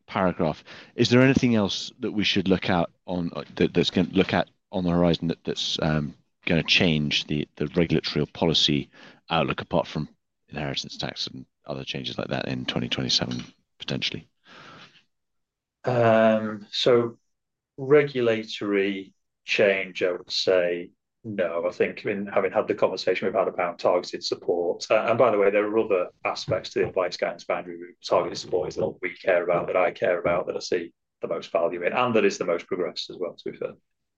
Speaker 1: paragraph. Is there anything else that we should look at on that, that's gonna look at on the horizon that's gonna change the regulatory or policy outlook apart from inheritance tax and other changes like that in 2027 potentially?
Speaker 3: Regulatory change, I would say no. I think in having had the conversation we have had about targeted support. By the way, there are other aspects to the advice guidance boundary group. Targeted support is what we care about, that I care about, that I see the most value in and that is the most progressive as well to be fair.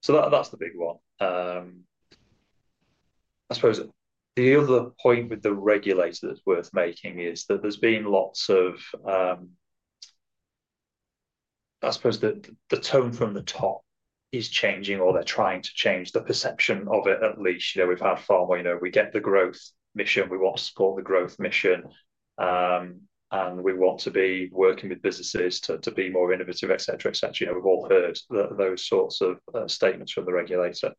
Speaker 3: That is the big one. I suppose the other point with the regulator that is worth making is that there has been lots of, I suppose the tone from the top is changing or they are trying to change the perception of it at least. You know, we have had far more, you know, we get the growth mission, we want to support the growth mission, and we want to be working with businesses to be more innovative, et cetera, et cetera. You know, we've all heard those sorts of statements from the regulator.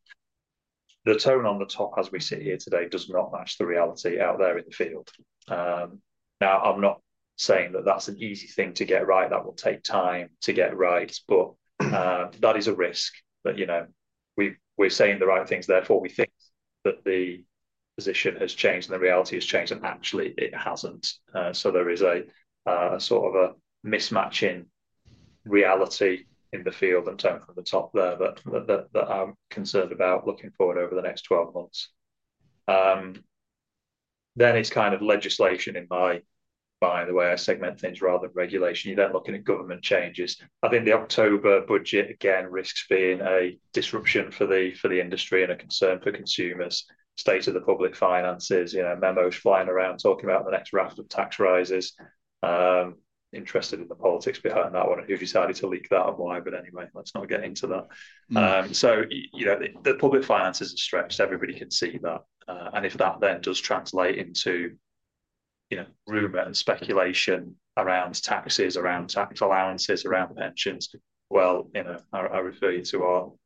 Speaker 3: The tone on the top as we sit here today does not match the reality out there in the field. Now, I'm not saying that that's an easy thing to get right. That will take time to get right. But that is a risk that, you know, we are saying the right things. Therefore, we think that the position has changed and the reality has changed and actually it has not. There is a sort of mismatch in reality in the field and tone from the top there that I'm concerned about looking forward over the next 12 months. It is kind of legislation in my, by the way, I segment things rather than regulation. You then look at government changes. I think the October budget again risks being a disruption for the, for the industry and a concern for consumers. State of the public finances, you know, memos flying around talking about the next raft of tax rises. Interested in the politics behind that one and who decided to leak that and why. But anyway, let's not get into that. You know, the public finances are stretched. Everybody can see that. If that then does translate into, you know, rumor and speculation around taxes, around tax allowances, around pensions, you know, I refer you to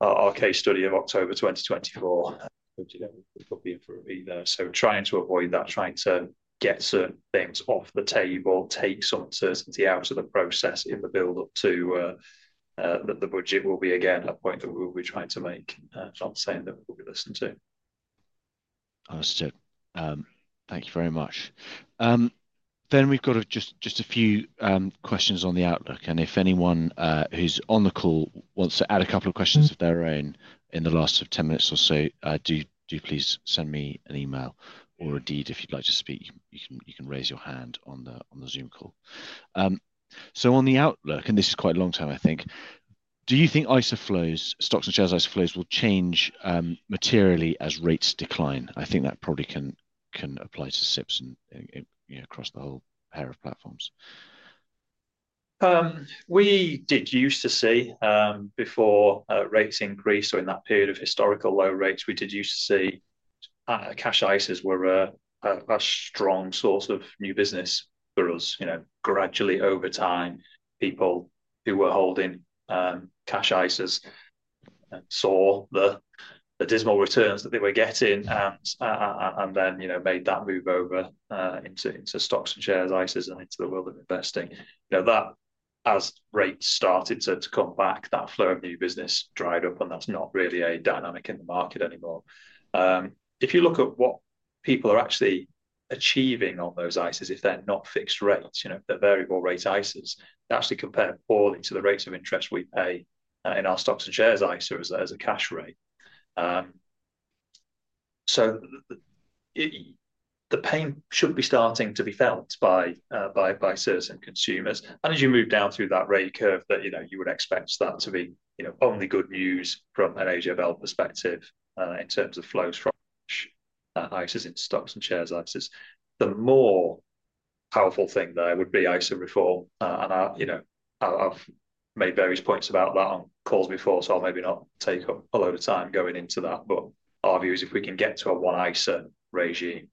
Speaker 3: our case study of October 2024, which, you know, we'll be in for a review there. Trying to avoid that, trying to get certain things off the table, take some certainty out of the process in the buildup to, that the budget will be again a point that we'll be trying to make. Not saying that we'll be listened to.
Speaker 1: Understood. Thank you very much. Then we've got just a few questions on the outlook. If anyone who's on the call wants to add a couple of questions of their own in the last sort of 10 minutes or so, do please send me an email or a deed if you'd like to speak. You can raise your hand on the Zoom call. On the outlook, and this is quite a long time, I think, do you think ISA flows, Stocks and shares ISA flows will change materially as rates decline? I think that probably can apply to SIPPs and, you know, across the whole pair of platforms.
Speaker 3: We did used to see, before, rates increased or in that period of historical low rates, we did used to see, cash ISAs were a strong source of new business for us. You know, gradually over time, people who were holding cash ISAs saw the dismal returns that they were getting and then, you know, made that move over into Stocks and shares ISAs and into the world of investing. You know, as rates started to come back, that flow of new business dried up and that's not really a dynamic in the market anymore. If you look at what people are actually achieving on those ISAs, if they're not fixed rates, you know, the variable rate ISAs, they actually compare poorly to the rates of interest we pay in our Stocks and shares ISA as a cash rate. The pain should be starting to be felt by certain consumers. As you move down through that rate curve, you would expect that to be only good news from an AJ Bell perspective, in terms of flows from ISAs into Stocks and shares ISAs. The more powerful thing there would be ISA reform. I have made various points about that on calls before, so I'll maybe not take up a load of time going into that. Our view is if we can get to a one ISA regime,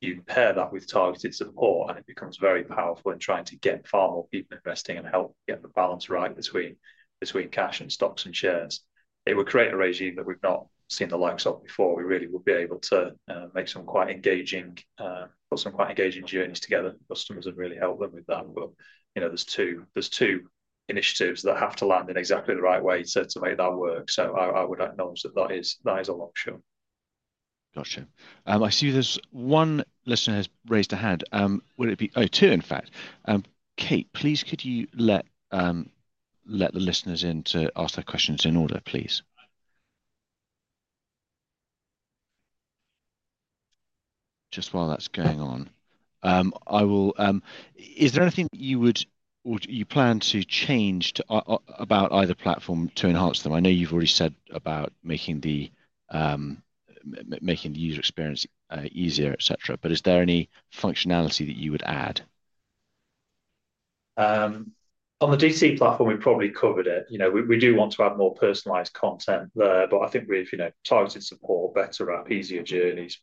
Speaker 3: you pair that with targeted support and it becomes very powerful in trying to get far more people investing and help get the balance right between cash and stocks and shares. It would create a regime that we have not seen the likes of before. We really would be able to make some quite engaging, put some quite engaging journeys together for customers and really help them with that. You know, there are two initiatives that have to land in exactly the right way to make that work. I would acknowledge that that is a long shot.
Speaker 1: Gotcha. I see there's one listener has raised a hand. Would it be, oh, two, in fact. Pete, please, could you let the listeners in to ask their questions in order, please? Just while that's going on, is there anything that you would, would you plan to change about either platform to enhance them? I know you've already said about making the user experience easier, et cetera, but is there any functionality that you would add?
Speaker 3: On the DTC platform, we've probably covered it. You know, we do want to add more personalized content there, but I think we've, you know, targeted support, better app, easier journeys,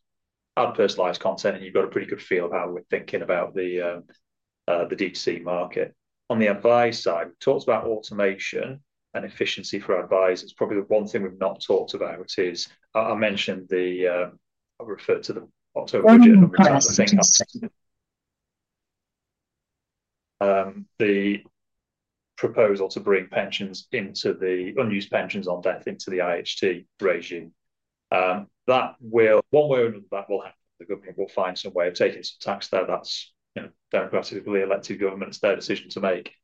Speaker 3: add personalized content, and you've got a pretty good feel of how we're thinking about the DTC market. On the advice side, we talked about automation and efficiency for our advisors. Probably the one thing we've not talked about is, I mentioned the, I referred to the October journal.
Speaker 1: Absolutely.
Speaker 3: The proposal to bring pensions into the unused pensions on death into the IHT regime, that will, one way or another, that will happen. The government will find some way of taking some tax there. That's, you know, democratically elected governments, their decision to make.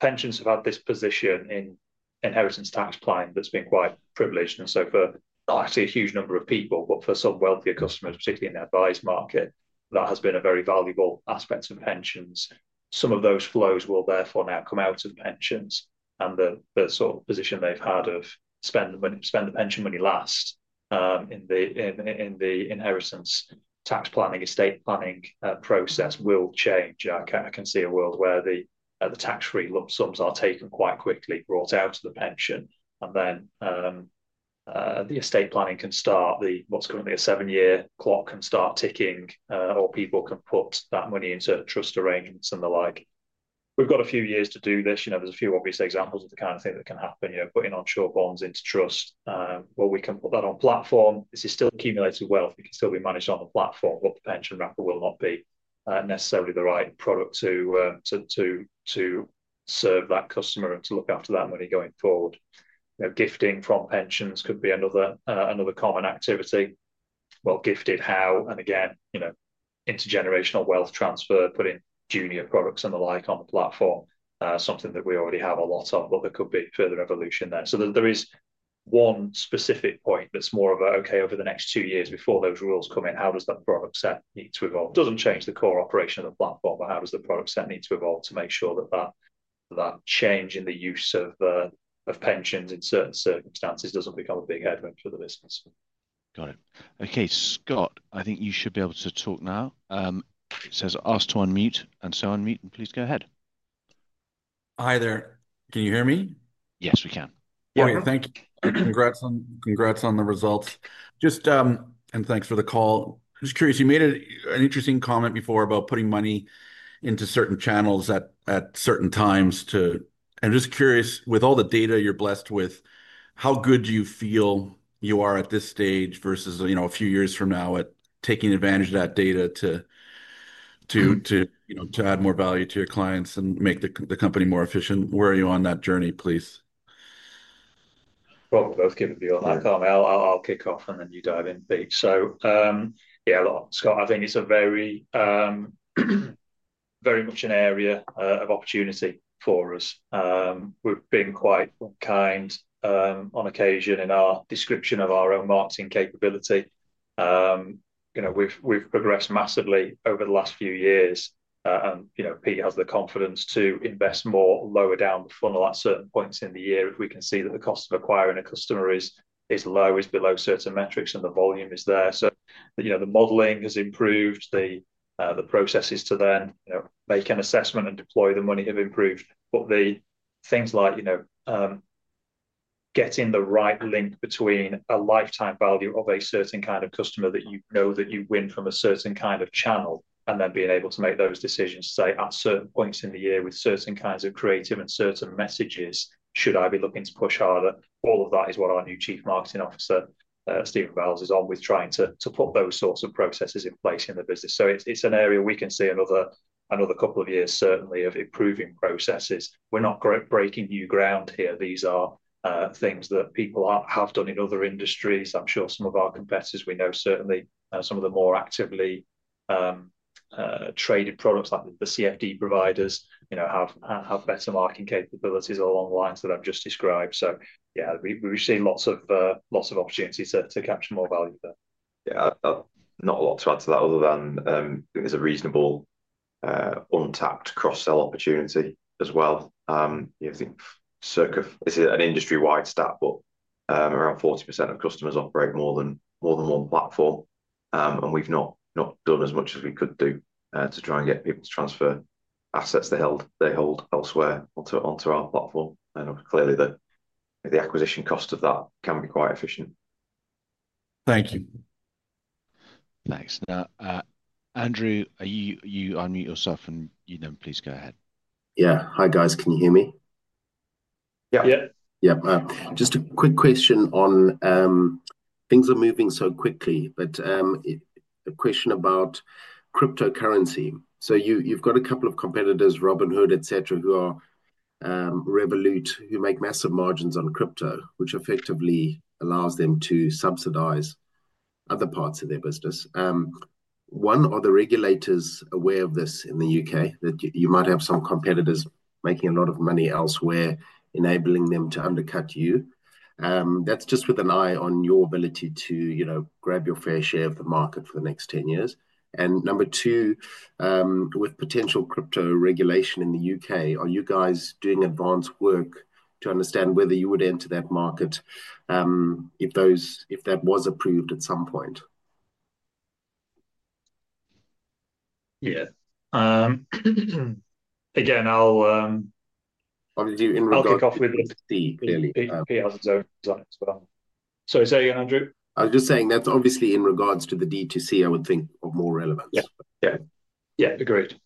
Speaker 3: Pensions have had this position in inheritance tax planning that's been quite privileged, and so for not actually a huge number of people, but for some wealthier customers, particularly in the advice market, that has been a very valuable aspect of pensions. Some of those flows will therefore now come out of pensions and the sort of position they've had of spend the money, spend the pension money last, in the inheritance tax planning, estate planning process will change. I can see a world where the tax-free lump sums are taken quite quickly, brought out of the pension, and then the estate planning can start, the what's currently a seven-year clock can start ticking, or people can put that money into trust arrangements and the like. We've got a few years to do this. You know, there's a few obvious examples of the kind of thing that can happen, you know, putting on short bonds into trust. We can put that on platform. This is still accumulated wealth. It can still be managed on the platform, but the pension wrapper will not be necessarily the right product to serve that customer and to look after that money going forward. You know, gifting from pensions could be another common activity. Gifted how? You know, intergenerational wealth transfer, putting junior products and the like on the platform, something that we already have a lot of, but there could be further evolution there. There is one specific point that's more of a, okay, over the next two years before those rules come in, how does that product set need to evolve? Doesn't change the core operation of the platform, but how does the product set need to evolve to make sure that change in the use of pensions in certain circumstances doesn't become a big headwind for the business?
Speaker 1: Got it. Okay, Scott, I think you should be able to talk now. It says ask to unmute and say unmute and please go ahead.
Speaker 4: Hi there. Can you hear me?
Speaker 1: Yes, we can.
Speaker 4: Yeah. Thank you. Congrats on, congrats on the results. Just, and thanks for the call. I'm just curious, you made an interesting comment before about putting money into certain channels at certain times to, and I'm just curious, with all the data you're blessed with, how good do you feel you are at this stage versus, you know, a few years from now at taking advantage of that data to, you know, to add more value to your clients and make the company more efficient? Where are you on that journey, please?
Speaker 3: Let's give it a beyond that comment. I'll kick off and then you dive in, Pete. Yeah, look, Scott, I think it's very, very much an area of opportunity for us. We've been quite kind, on occasion, in our description of our own marketing capability. You know, we've progressed massively over the last few years, and, you know, Pete has the confidence to invest more lower down the funnel at certain points in the year if we can see that the cost of acquiring a customer is low, is below certain metrics and the volume is there. You know, the modeling has improved, the processes to then, you know, make an assessment and deploy the money have improved. The things like, you know, getting the right link between a lifetime value of a certain kind of customer that you know that you win from a certain kind of channel and then being able to make those decisions to say at certain points in the year with certain kinds of creative and certain messages, should I be looking to push harder? All of that is what our new Chief Marketing Officer, Steve Bell, is on with trying to put those sorts of processes in place in the business. It is an area we can see another couple of years certainly of improving processes. We are not breaking new ground here. These are things that people have done in other industries. I'm sure some of our competitors we know certainly, some of the more actively traded products like the CFD providers, you know, have better marketing capabilities along the lines that I've just described. Yeah, we've seen lots of opportunities to capture more value there.
Speaker 2: I have not a lot to add to that other than it is a reasonable, untapped cross-sell opportunity as well. You know, I think circa is it an industry-wide stat, but around 40% of customers operate more than one platform. We've not done as much as we could do to try and get people to transfer assets they hold elsewhere onto our platform. Obviously, clearly the acquisition cost of that can be quite efficient.
Speaker 1: Thank you. Thanks. Now, Andrew, are you unmute yourself and you then please go ahead.
Speaker 5: Yeah. Hi guys. Can you hear me?
Speaker 3: Yeah.
Speaker 5: Yeah. Yeah. Just a quick question on, things are moving so quickly, but, a question about cryptocurrency. So you, you've got a couple of competitors, Robinhood, et cetera, who are, Revolut, who make massive margins on crypto, which effectively allows them to subsidize other parts of their business. One, are the regulators aware of this in the U.K. that you, you might have some competitors making a lot of money elsewhere, enabling them to undercut you? That's just with an eye on your ability to, you know, grab your fair share of the market for the next 10 years. And number two, with potential crypto regulation in the U.K., are you guys doing advanced work to understand whether you would enter that market, if those, if that was approved at some point?
Speaker 3: Yeah, again, I'll, obviously in regards to the DTC, clearly.
Speaker 5: P has his own design as well.
Speaker 3: Sorry, say again, Andrew?
Speaker 5: I was just saying that's obviously in regards to the DTC, I would think of more relevance.
Speaker 3: Yeah. Yeah. Yeah. Agreed.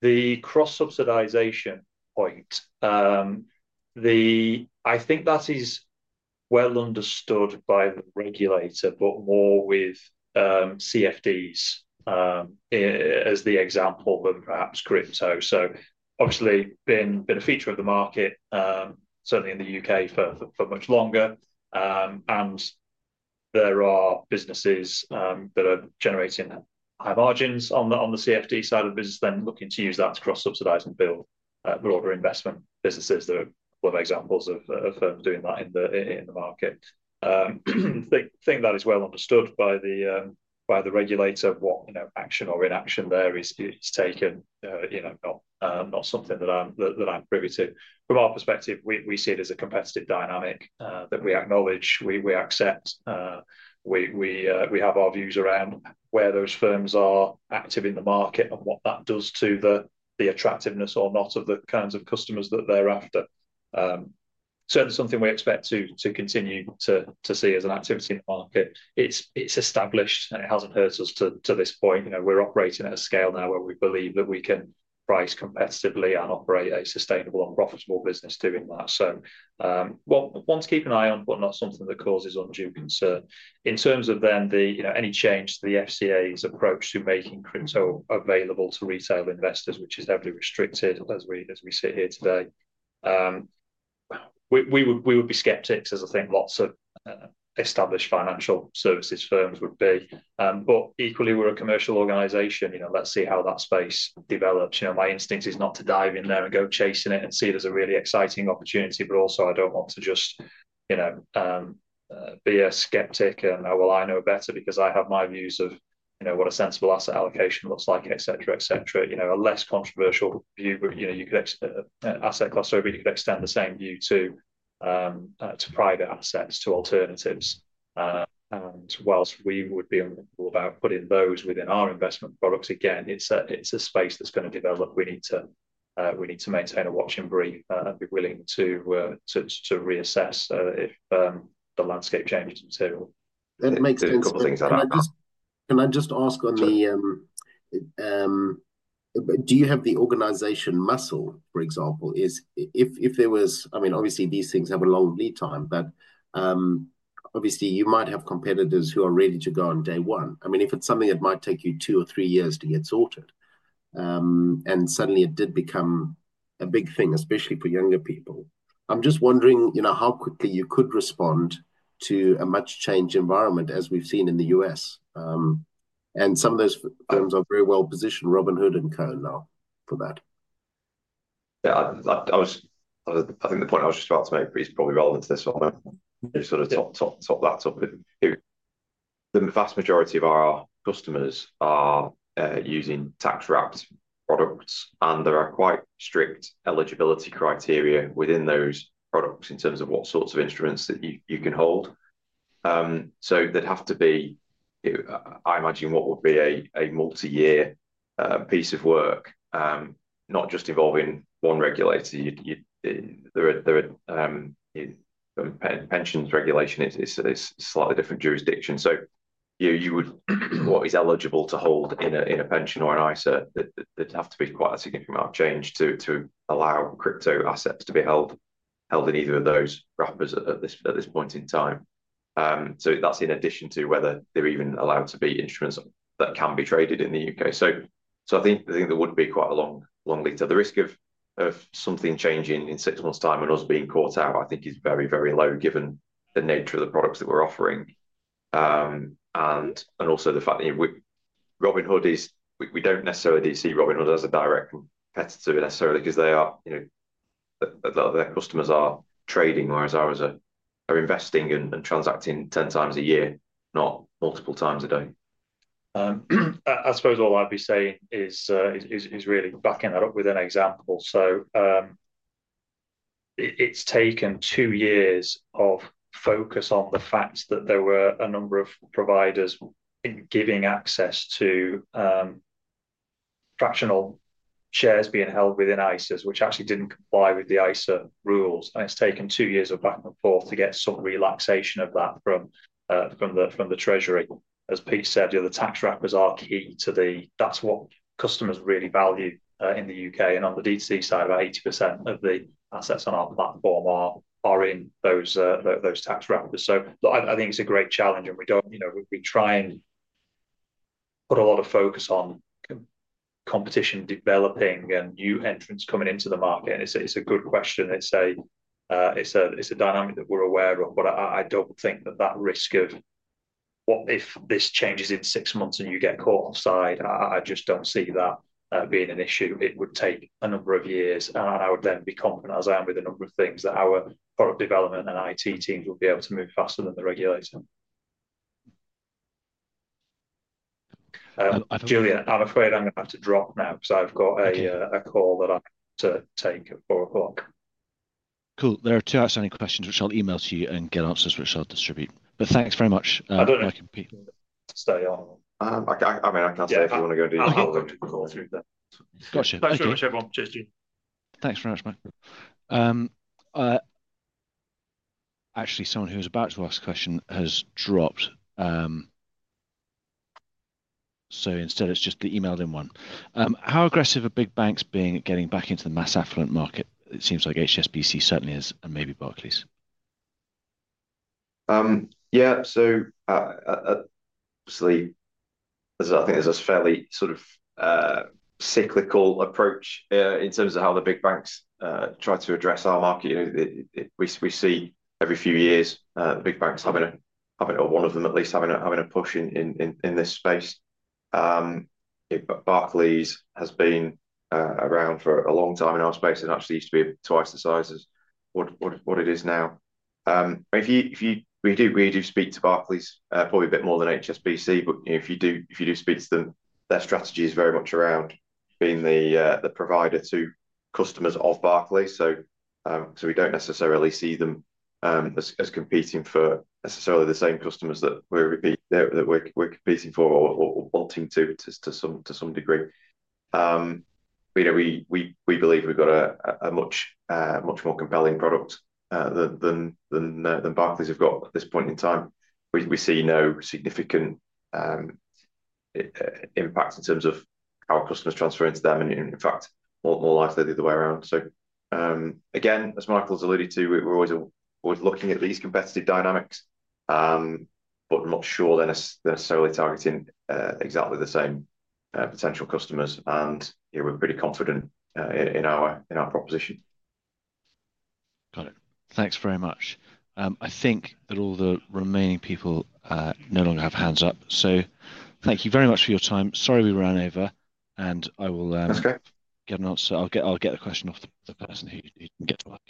Speaker 3: The cross-subsidization point, I think that is well understood by the regulator, but more with CFDs as the example than perhaps crypto. Obviously, it has been a feature of the market, certainly in the U.K. for much longer. There are businesses that are generating high margins on the CFD side of the business, then looking to use that to cross-subsidize and build broader investment businesses. There are a couple of examples of firms doing that in the market. I think that is well understood by the regulator. What action or inaction there is, is taken, you know, not something that I'm privy to. From our perspective, we see it as a competitive dynamic that we acknowledge, we accept, we have our views around where those firms are active in the market and what that does to the attractiveness or not of the kinds of customers that they're after. Certainly something we expect to continue to see as an activity in the market. It's established and it hasn't hurt us to this point. You know, we're operating at a scale now where we believe that we can price competitively and operate a sustainable and profitable business doing that. One to keep an eye on, but not something that causes undue concern. In terms of then the, you know, any change to the FCA's approach to making crypto available to retail investors, which is heavily restricted as we sit here today. We would be skeptics, as I think lots of established financial services firms would be. Equally, we are a commercial organization, you know, let's see how that space develops. My instinct is not to dive in there and go chasing it and see it as a really exciting opportunity, but also I do not want to just be a skeptic and, oh, well, I know better because I have my views of what a sensible asset allocation looks like, et cetera, et cetera. A less controversial view, but you could, asset cluster, but you could extend the same view to private assets, to alternatives. Whilst we would be uncomfortable about putting those within our investment products, again, it is a space that is going to develop. We need to maintain a watch and breathe, and be willing to reassess if the landscape changes material.
Speaker 5: That makes sense.
Speaker 2: A couple of things I'd add to that.
Speaker 5: Can I just ask on the, do you have the organization muscle, for example, if there was, I mean, obviously these things have a long lead time, but obviously you might have competitors who are ready to go on day one. I mean, if it's something that might take you two or three years to get sorted, and suddenly it did become a big thing, especially for younger people, I'm just wondering, you know, how quickly you could respond to a much changed environment as we've seen in the U.S. and some of those firms are very well positioned, Robinhood and co now for that.
Speaker 2: Yeah, I think the point I was just about to make is probably relevant to this one. You sort of top that up. The vast majority of our customers are using tax-wrapped products and there are quite strict eligibility criteria within those products in terms of what sorts of instruments that you can hold. There would have to be, I imagine, what would be a multi-year piece of work, not just involving one regulator. In pensions regulation, it's slightly different jurisdiction. What is eligible to hold in a pension or an ISA, there would have to be quite a significant amount of change to allow crypto assets to be held in either of those wrappers at this point in time. That is in addition to whether they are even allowed to be instruments that can be traded in the U.K. I think there would be quite a long lead. The risk of something changing in six months' time and us being caught out is very, very low given the nature of the products that we are offering, and also the fact that, you know, Robinhood is—we do not necessarily see Robinhood as a direct competitor necessarily because their customers are trading, whereas ours are investing and transacting 10 times a year, not multiple times a day.
Speaker 3: I suppose all I'd be saying is really backing that up with an example. It's taken two years of focus on the fact that there were a number of providers giving access to fractional shares being held within ISAs, which actually didn't comply with the ISA rules. It's taken two years of back and forth to get some relaxation of that from the treasury. As Pete said, you know, the tax wrappers are key to the, that's what customers really value in the U.K. On the DTC side, about 80% of the assets on our platform are in those tax wrappers. I think it's a great challenge and we try and put a lot of focus on competition developing and new entrants coming into the market. It's a good question. It's a dynamic that we're aware of, but I don't think that risk of what if this changes in six months and you get caught offside, I just don't see that being an issue. It would take a number of years and I would then be confident, as I am with a number of things, that our product development and IT teams would be able to move faster than the regulator. Julian, I'm afraid I'm gonna have to drop now 'cause I've got a call that I have to take at 4:00 P.M.
Speaker 1: Cool. There are two outstanding questions, which I'll email to you and get answers, which I'll distribute. But thanks very much. Mike and Pete.
Speaker 3: Stay on.
Speaker 2: I mean, I can't say if you wanna go do your call.
Speaker 1: Gotcha.
Speaker 3: Thanks very much, everyone. Cheers, Julian.
Speaker 1: Thanks very much, Mike. Actually, someone who was about to ask a question has dropped. So instead, it's just the emailed-in one. How aggressive are big banks being getting back into the mass affluent market? It seems like HSBC certainly is and maybe Barclays.
Speaker 2: Yeah. Obviously, there's, I think, a fairly sort of cyclical approach in terms of how the big banks try to address our market. You know, we see every few years the big banks having a, or one of them at least having a push in this space. Barclays has been around for a long time in our space and actually used to be twice the size as what it is now. If you, we do, we do speak to Barclays, probably a bit more than HSBC, but you know, if you do speak to them, their strategy is very much around being the provider to customers of Barclays. We do not necessarily see them as competing for the same customers that we are competing for or wanting to, to some degree. You know, we believe we have a much more compelling product than Barclays have at this point in time. We see no significant impact in terms of our customers transferring to them and in fact more likely the other way around. Again, as Michael has alluded to, we are always looking at these competitive dynamics, but I am not sure they are necessarily targeting exactly the same potential customers. You know, we are pretty confident in our proposition.
Speaker 1: Got it. Thanks very much. I think that all the remaining people no longer have hands up. Thank you very much for your time. Sorry we ran over and I will,
Speaker 2: That's great.
Speaker 1: Get an answer. I'll get the question off the person who can get to work.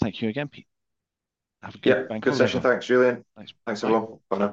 Speaker 1: Thank you again, Pete. Have a good day.
Speaker 2: Yeah. Good session. Thanks, Julian. Thanks, everyone. Bye.